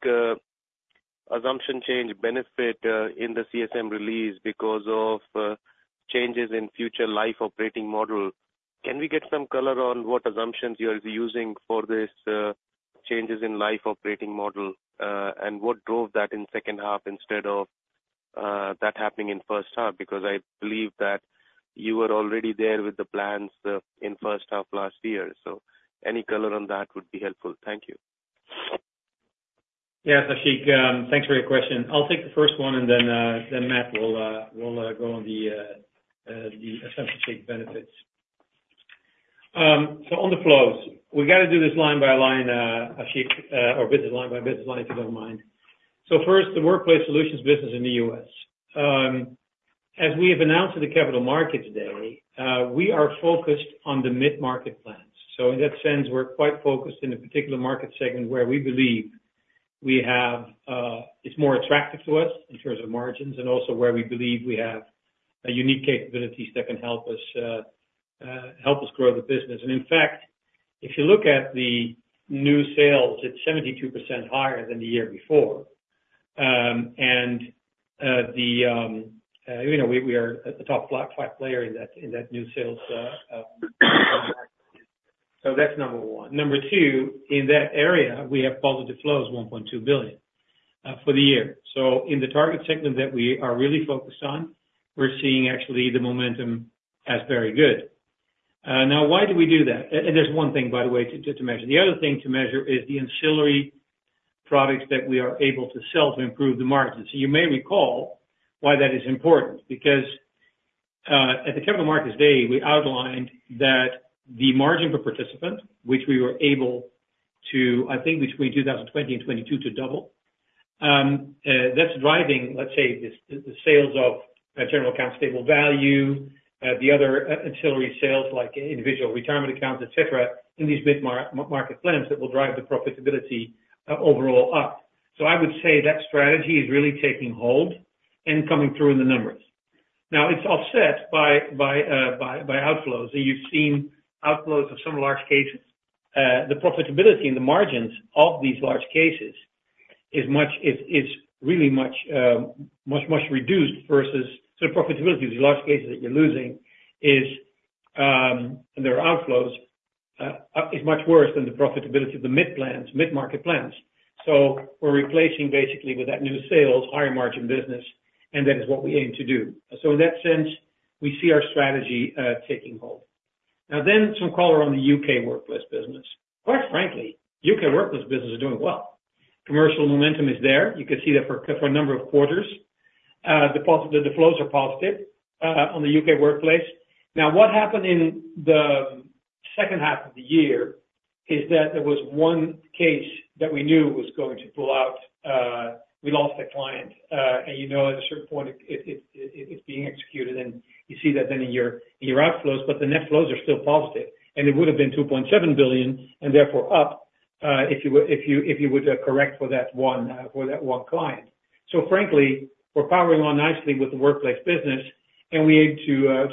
assumption change benefit in the CSM release because of changes in future life operating model. Can we get some color on what assumptions you're using for these changes in life operating model and what drove that in second half instead of that happening in first half? Because I believe that you were already there with the plans in first half last year. So any color on that would be helpful. Thank you. Yeah, so Asheek, thanks for your question. I'll take the first one, and then Matt will go on the assumption change benefits. So on the flows, we got to do this line by line, Asheek, or business line by business line if you don't mind. So first, the workplace solutions business in the US. As we have announced in the Capital Markets Day today, we are focused on the mid-market plans. So in that sense, we're quite focused in a particular market segment where we believe it's more attractive to us in terms of margins and also where we believe we have unique capabilities that can help us grow the business. And in fact, if you look at the new sales, it's 72% higher than the year before. And we are a top-five player in that new sales market. So that's number one. Number 2, in that area, we have positive flows, 1.2 billion, for the year. So in the target segment that we are really focused on, we're seeing actually the momentum as very good. Now, why do we do that? And there's one thing, by the way, to measure. The other thing to measure is the ancillary products that we are able to sell to improve the margins. So you may recall why that is important because at the Capital Markets Day, we outlined that the margin per participant, which we were able to, I think, between 2020 and 2022, to double, that's driving, let's say, the sales of General Account Stable Value, the other ancillary sales like individual retirement accounts, etc., in these mid-market plans that will drive the profitability overall up. So I would say that strategy is really taking hold and coming through in the numbers. Now, it's offset by outflows, and you've seen outflows of some large cases. The profitability and the margins of these large cases is really much, much, much reduced versus so the profitability of these large cases that you're losing is, and there are outflows, is much worse than the profitability of the mid-plans, mid-market plans. So we're replacing basically with that new sales, higher margin business, and that is what we aim to do. So in that sense, we see our strategy taking hold. Now then, some color on the UK workplace business. Quite frankly, U.K. workplace business is doing well. Commercial momentum is there. You could see that for a number of quarters. The flows are positive on the UK workplace. Now, what happened in the second half of the year is that there was one case that we knew was going to pull out. We lost a client, and you know at a certain point it's being executed, and you see that then in your outflows. But the net flows are still positive, and it would have been 2.7 billion and therefore up if you would correct for that one client. So frankly, we're powering on nicely with the workplace business, and we aim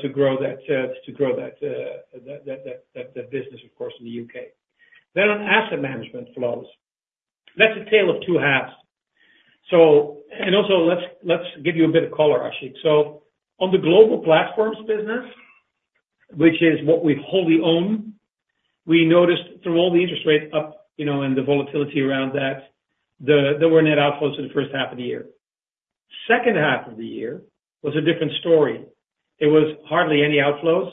to grow that to grow that business, of course, in the U.K. Then on asset management flows, that's a tale of two halves. And also, let's give you a bit of color, Asheek. So on the global platforms business, which is what we wholly own, we noticed through all the interest rate up and the volatility around that, there were net outflows in the first half of the year. Second half of the year was a different story. There was hardly any outflows,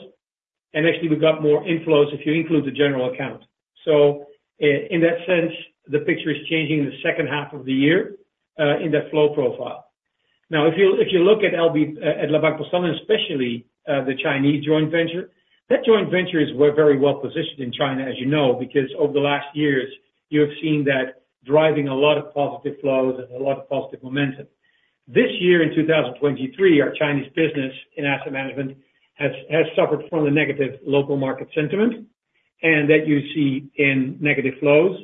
and actually, we got more inflows if you include the general account. So in that sense, the picture is changing in the second half of the year in that flow profile. Now, if you look at La Banque Postale and especially the Chinese joint venture, that joint venture is very well positioned in China, as you know, because over the last years, you have seen that driving a lot of positive flows and a lot of positive momentum. This year, in 2023, our Chinese business in asset management has suffered from the negative local market sentiment, and that you see in negative flows.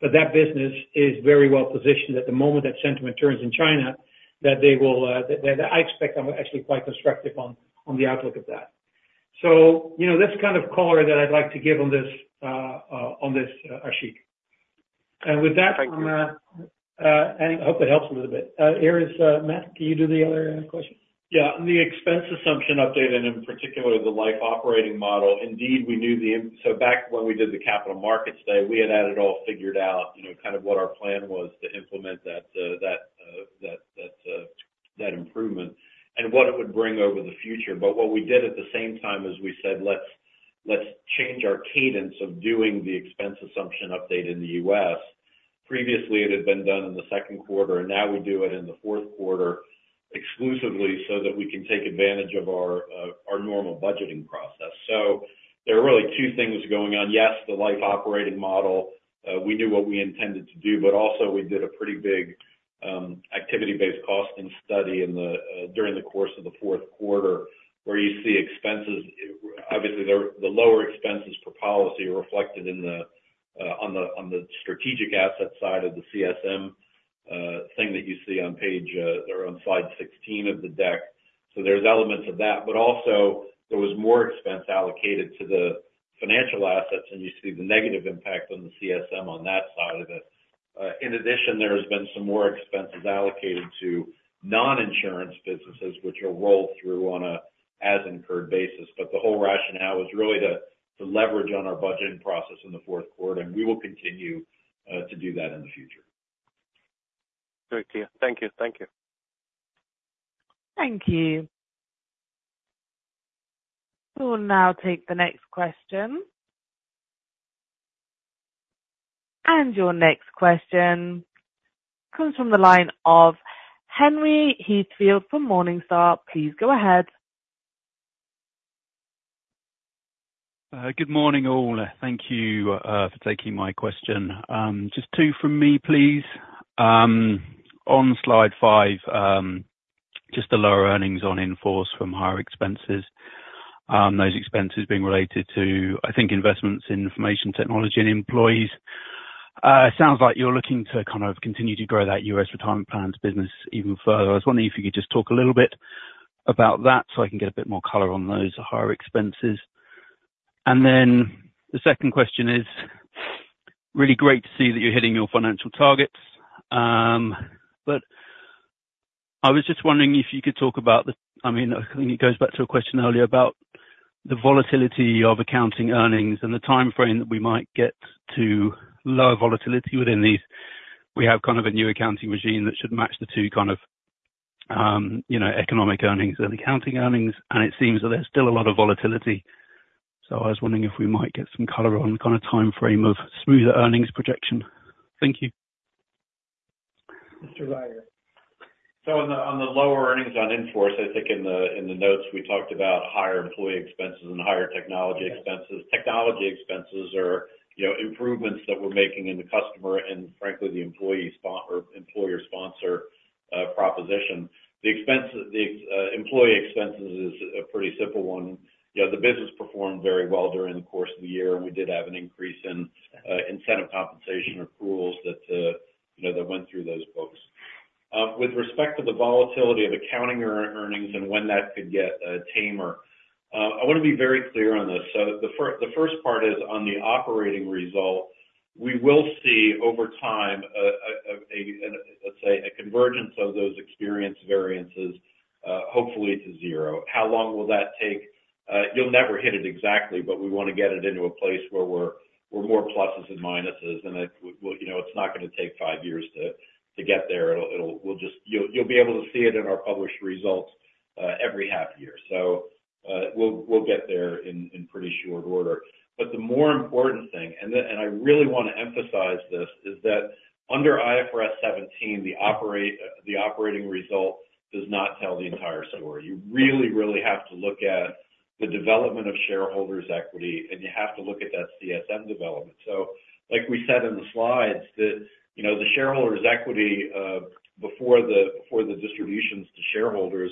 But that business is very well positioned at the moment that sentiment turns in China that they will that I expect. I'm actually quite constructive on the outlook of that. So that's kind of color that I'd like to give on this, Asheek. And with that. Thank you. I hope that helps a little bit. Yves, Matt, can you do the other question? Yeah, on the expense assumption update and in particular the life operating model, indeed, we knew the so back when we did the Capital Markets Day, we had had it all figured out, kind of what our plan was to implement that improvement and what it would bring over the future. But what we did at the same time is we said, "Let's change our cadence of doing the expense assumption update in the U.S." Previously, it had been done in the second quarter, and now we do it in the fourth quarter exclusively so that we can take advantage of our normal budgeting process. So there are really two things going on. Yes, the life operating model, we knew what we intended to do, but also we did a pretty big activity-based costing study during the course of the fourth quarter where you see expenses obviously, the lower expenses per policy are reflected on the strategic asset side of the CSM thing that you see on page or on slide 16 of the deck. So there's elements of that. But also, there was more expense allocated to the financial assets, and you see the negative impact on the CSM on that side of it. In addition, there has been some more expenses allocated to non-insurance businesses, which are rolled through on an as-incurred basis. But the whole rationale was really to leverage on our budgeting process in the fourth quarter, and we will continue to do that in the future. Great, Yeah. Thank you. Thank you. Thank you. We will now take the next question. Your next question comes from the line of Henry Heathfield from Morningstar. Please go ahead. Good morning, all. Thank you for taking my question. Just two from me, please. On slide five, just the lower earnings on in force from higher expenses, those expenses being related to, I think, investments in information technology and employees. It sounds like you're looking to kind of continue to grow that U.S. retirement plans business even further. I was wondering if you could just talk a little bit about that so I can get a bit more color on those higher expenses. Then the second question is really great to see that you're hitting your financial targets. But I was just wondering if you could talk about the—I mean, I think it goes back to a question earlier about the volatility of accounting earnings and the timeframe that we might get to lower volatility within these. We have kind of a new accounting regime that should match the two kind of economic earnings and accounting earnings, and it seems that there's still a lot of volatility. So I was wondering if we might get some color on the kind of timeframe of smoother earnings projection. Thank you. Mr. Rider. So on the lower earnings on in force, I think in the notes, we talked about higher employee expenses and higher technology expenses. Technology expenses are improvements that we're making in the customer and, frankly, the employee or employer-sponsor proposition. The employee expenses is a pretty simple one. The business performed very well during the course of the year, and we did have an increase in incentive compensation accruals that went through those folks. With respect to the volatility of accounting earnings and when that could get tamer, I want to be very clear on this. So the first part is on the operating result, we will see over time, let's say, a convergence of those experience variances, hopefully to zero. How long will that take? You'll never hit it exactly, but we want to get it into a place where we're more pluses than minuses, and it's not going to take five years to get there. You'll be able to see it in our published results every half year. So we'll get there in pretty short order. But the more important thing, and I really want to emphasize this, is that under IFRS 17, the operating result does not tell the entire story. You really, really have to look at the development of shareholders' equity, and you have to look at that CSM development. So like we said in the slides, the shareholders' equity before the distributions to shareholders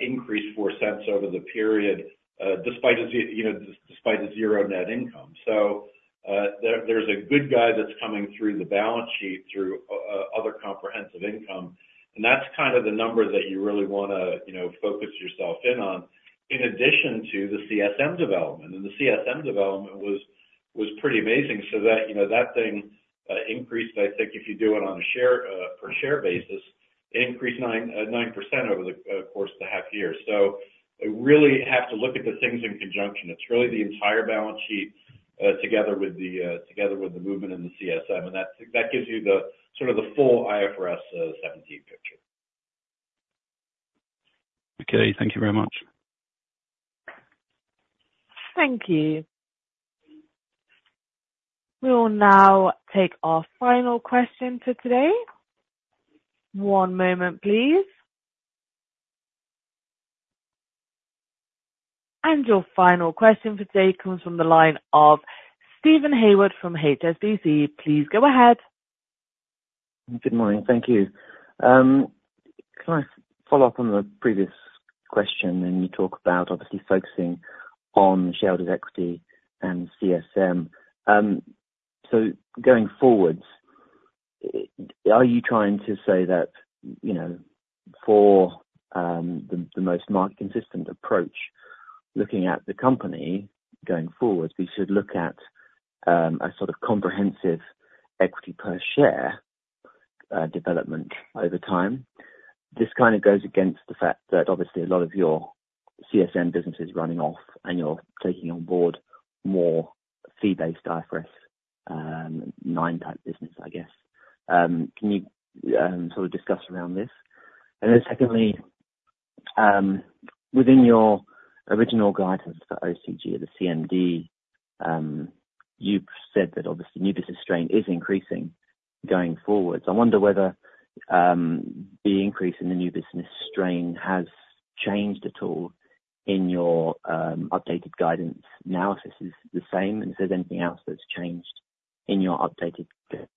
increased 0.04 over the period despite a zero net income. So there's a good guy that's coming through the balance sheet through other comprehensive income, and that's kind of the number that you really want to focus yourself in on in addition to the CSM development. And the CSM development was pretty amazing so that that thing increased, I think, if you do it on a per-share basis, it increased 9% over the course of the half year. So you really have to look at the things in conjunction. It's really the entire balance sheet together with the movement in the CSM, and that gives you sort of the full IFRS 17 picture. Okay. Thank you very much. Thank you. We will now take our final question for today. One moment, please. And your final question for today comes from the line of Stephen Hayward from HSBC. Please go ahead. Good morning. Thank you. Can I follow up on the previous question? And you talk about, obviously, focusing on shareholders' equity and CSM. So going forwards, are you trying to say that for the most market-consistent approach, looking at the company going forwards, we should look at a sort of comprehensive equity per-share development over time? This kind of goes against the fact that, obviously, a lot of your CSM business is running off, and you're taking on board more fee-based IFRS 9 type business, I guess. Can you sort of discuss around this? And then secondly, within your original guidance for OCG, the CMD, you said that, obviously, new business strain is increasing going forwards. I wonder whether the increase in the new business strain has changed at all in your updated guidance. Now, if this is the same, is there anything else that's changed in your updated guidance?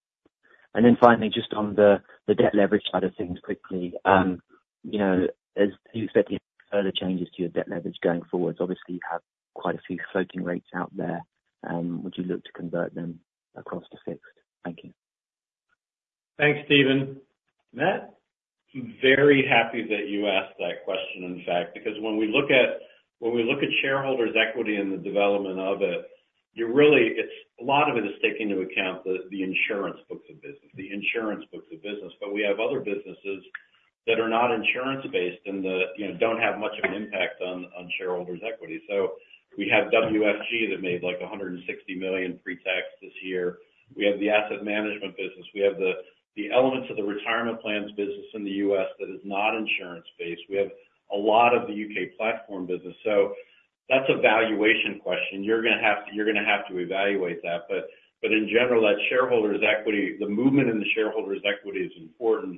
And then finally, just on the debt leverage side of things quickly, do you expect any further changes to your debt leverage going forwards? Obviously, you have quite a few floating rates out there. Would you look to convert them across to fixed? Thank you. Thanks, Stephen. Matt, I'm very happy that you asked that question, in fact, because when we look at shareholders' equity and the development of it, a lot of it is taking into account the insurance books of business, the insurance books of business. But we have other businesses that are not insurance-based and don't have much of an impact on shareholders' equity. So we have WFG that made like $160 million pre-tax this year. We have the asset management business. We have the elements of the retirement plans business in the U.S. that is not insurance-based. We have a lot of the U.K. platform business. So that's a valuation question. You're going to have to you're going to have to evaluate that. In general, that shareholders' equity, the movement in the shareholders' equity is important,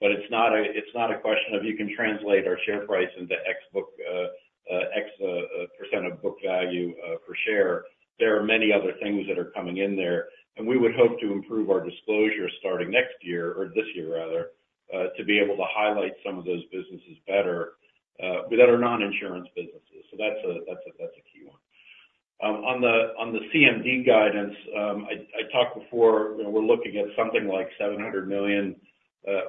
but it's not a question of you can translate our share price into X% of book value per share. There are many other things that are coming in there, and we would hope to improve our disclosure starting next year or this year, rather, to be able to highlight some of those businesses better that are non-insurance businesses. So that's a key one. On the CMD guidance, I talked before, we're looking at something like 700 million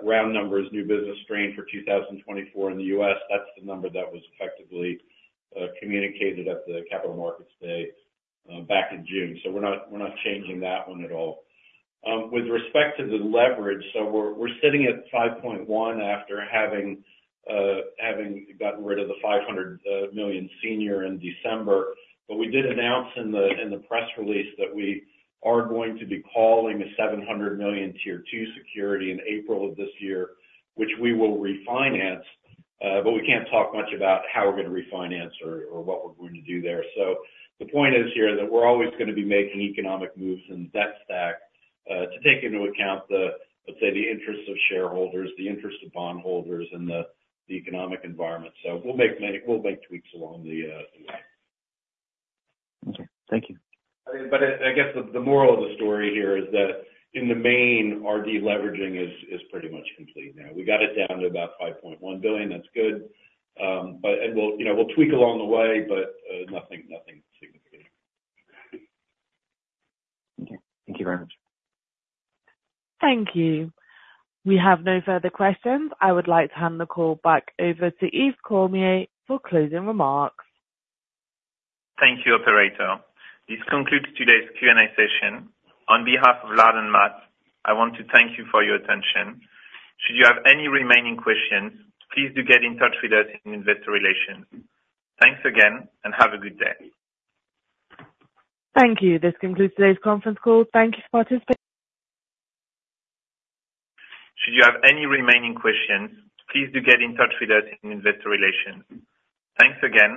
round numbers, new business strain for 2024 in the U.S. That's the number that was effectively communicated at the capital markets day back in June. So we're not changing that one at all. With respect to the leverage, so we're sitting at 5.1 after having gotten rid of the 500 million senior in December. But we did announce in the press release that we are going to be calling a 700 million Tier 2 security in April of this year, which we will refinance. But we can't talk much about how we're going to refinance or what we're going to do there. So the point is here that we're always going to be making economic moves in debt stack to take into account, let's say, the interests of shareholders, the interests of bondholders, and the economic environment. So we'll make tweaks along the way. Okay. Thank you. But I guess the moral of the story here is that in the main, our deleveraging is pretty much complete now. We got it down to about 5.1 billion. That's good. And we'll tweak along the way, but nothing significant. Okay. Thank you very much. Thank you. We have no further questions. I would like to hand the call back over to Yves Cormier for closing remarks. Thank you, operator. This concludes today's Q&A session. On behalf of Lard and Matt, I want to thank you for your attention. Should you have any remaining questions, please do get in touch with us in Investor Relations. Thanks again, and have a good day. Thank you. This concludes today's conference call. Thank you for participating. Should you have any remaining questions, please do get in touch with us in Investor Relations. Thanks again.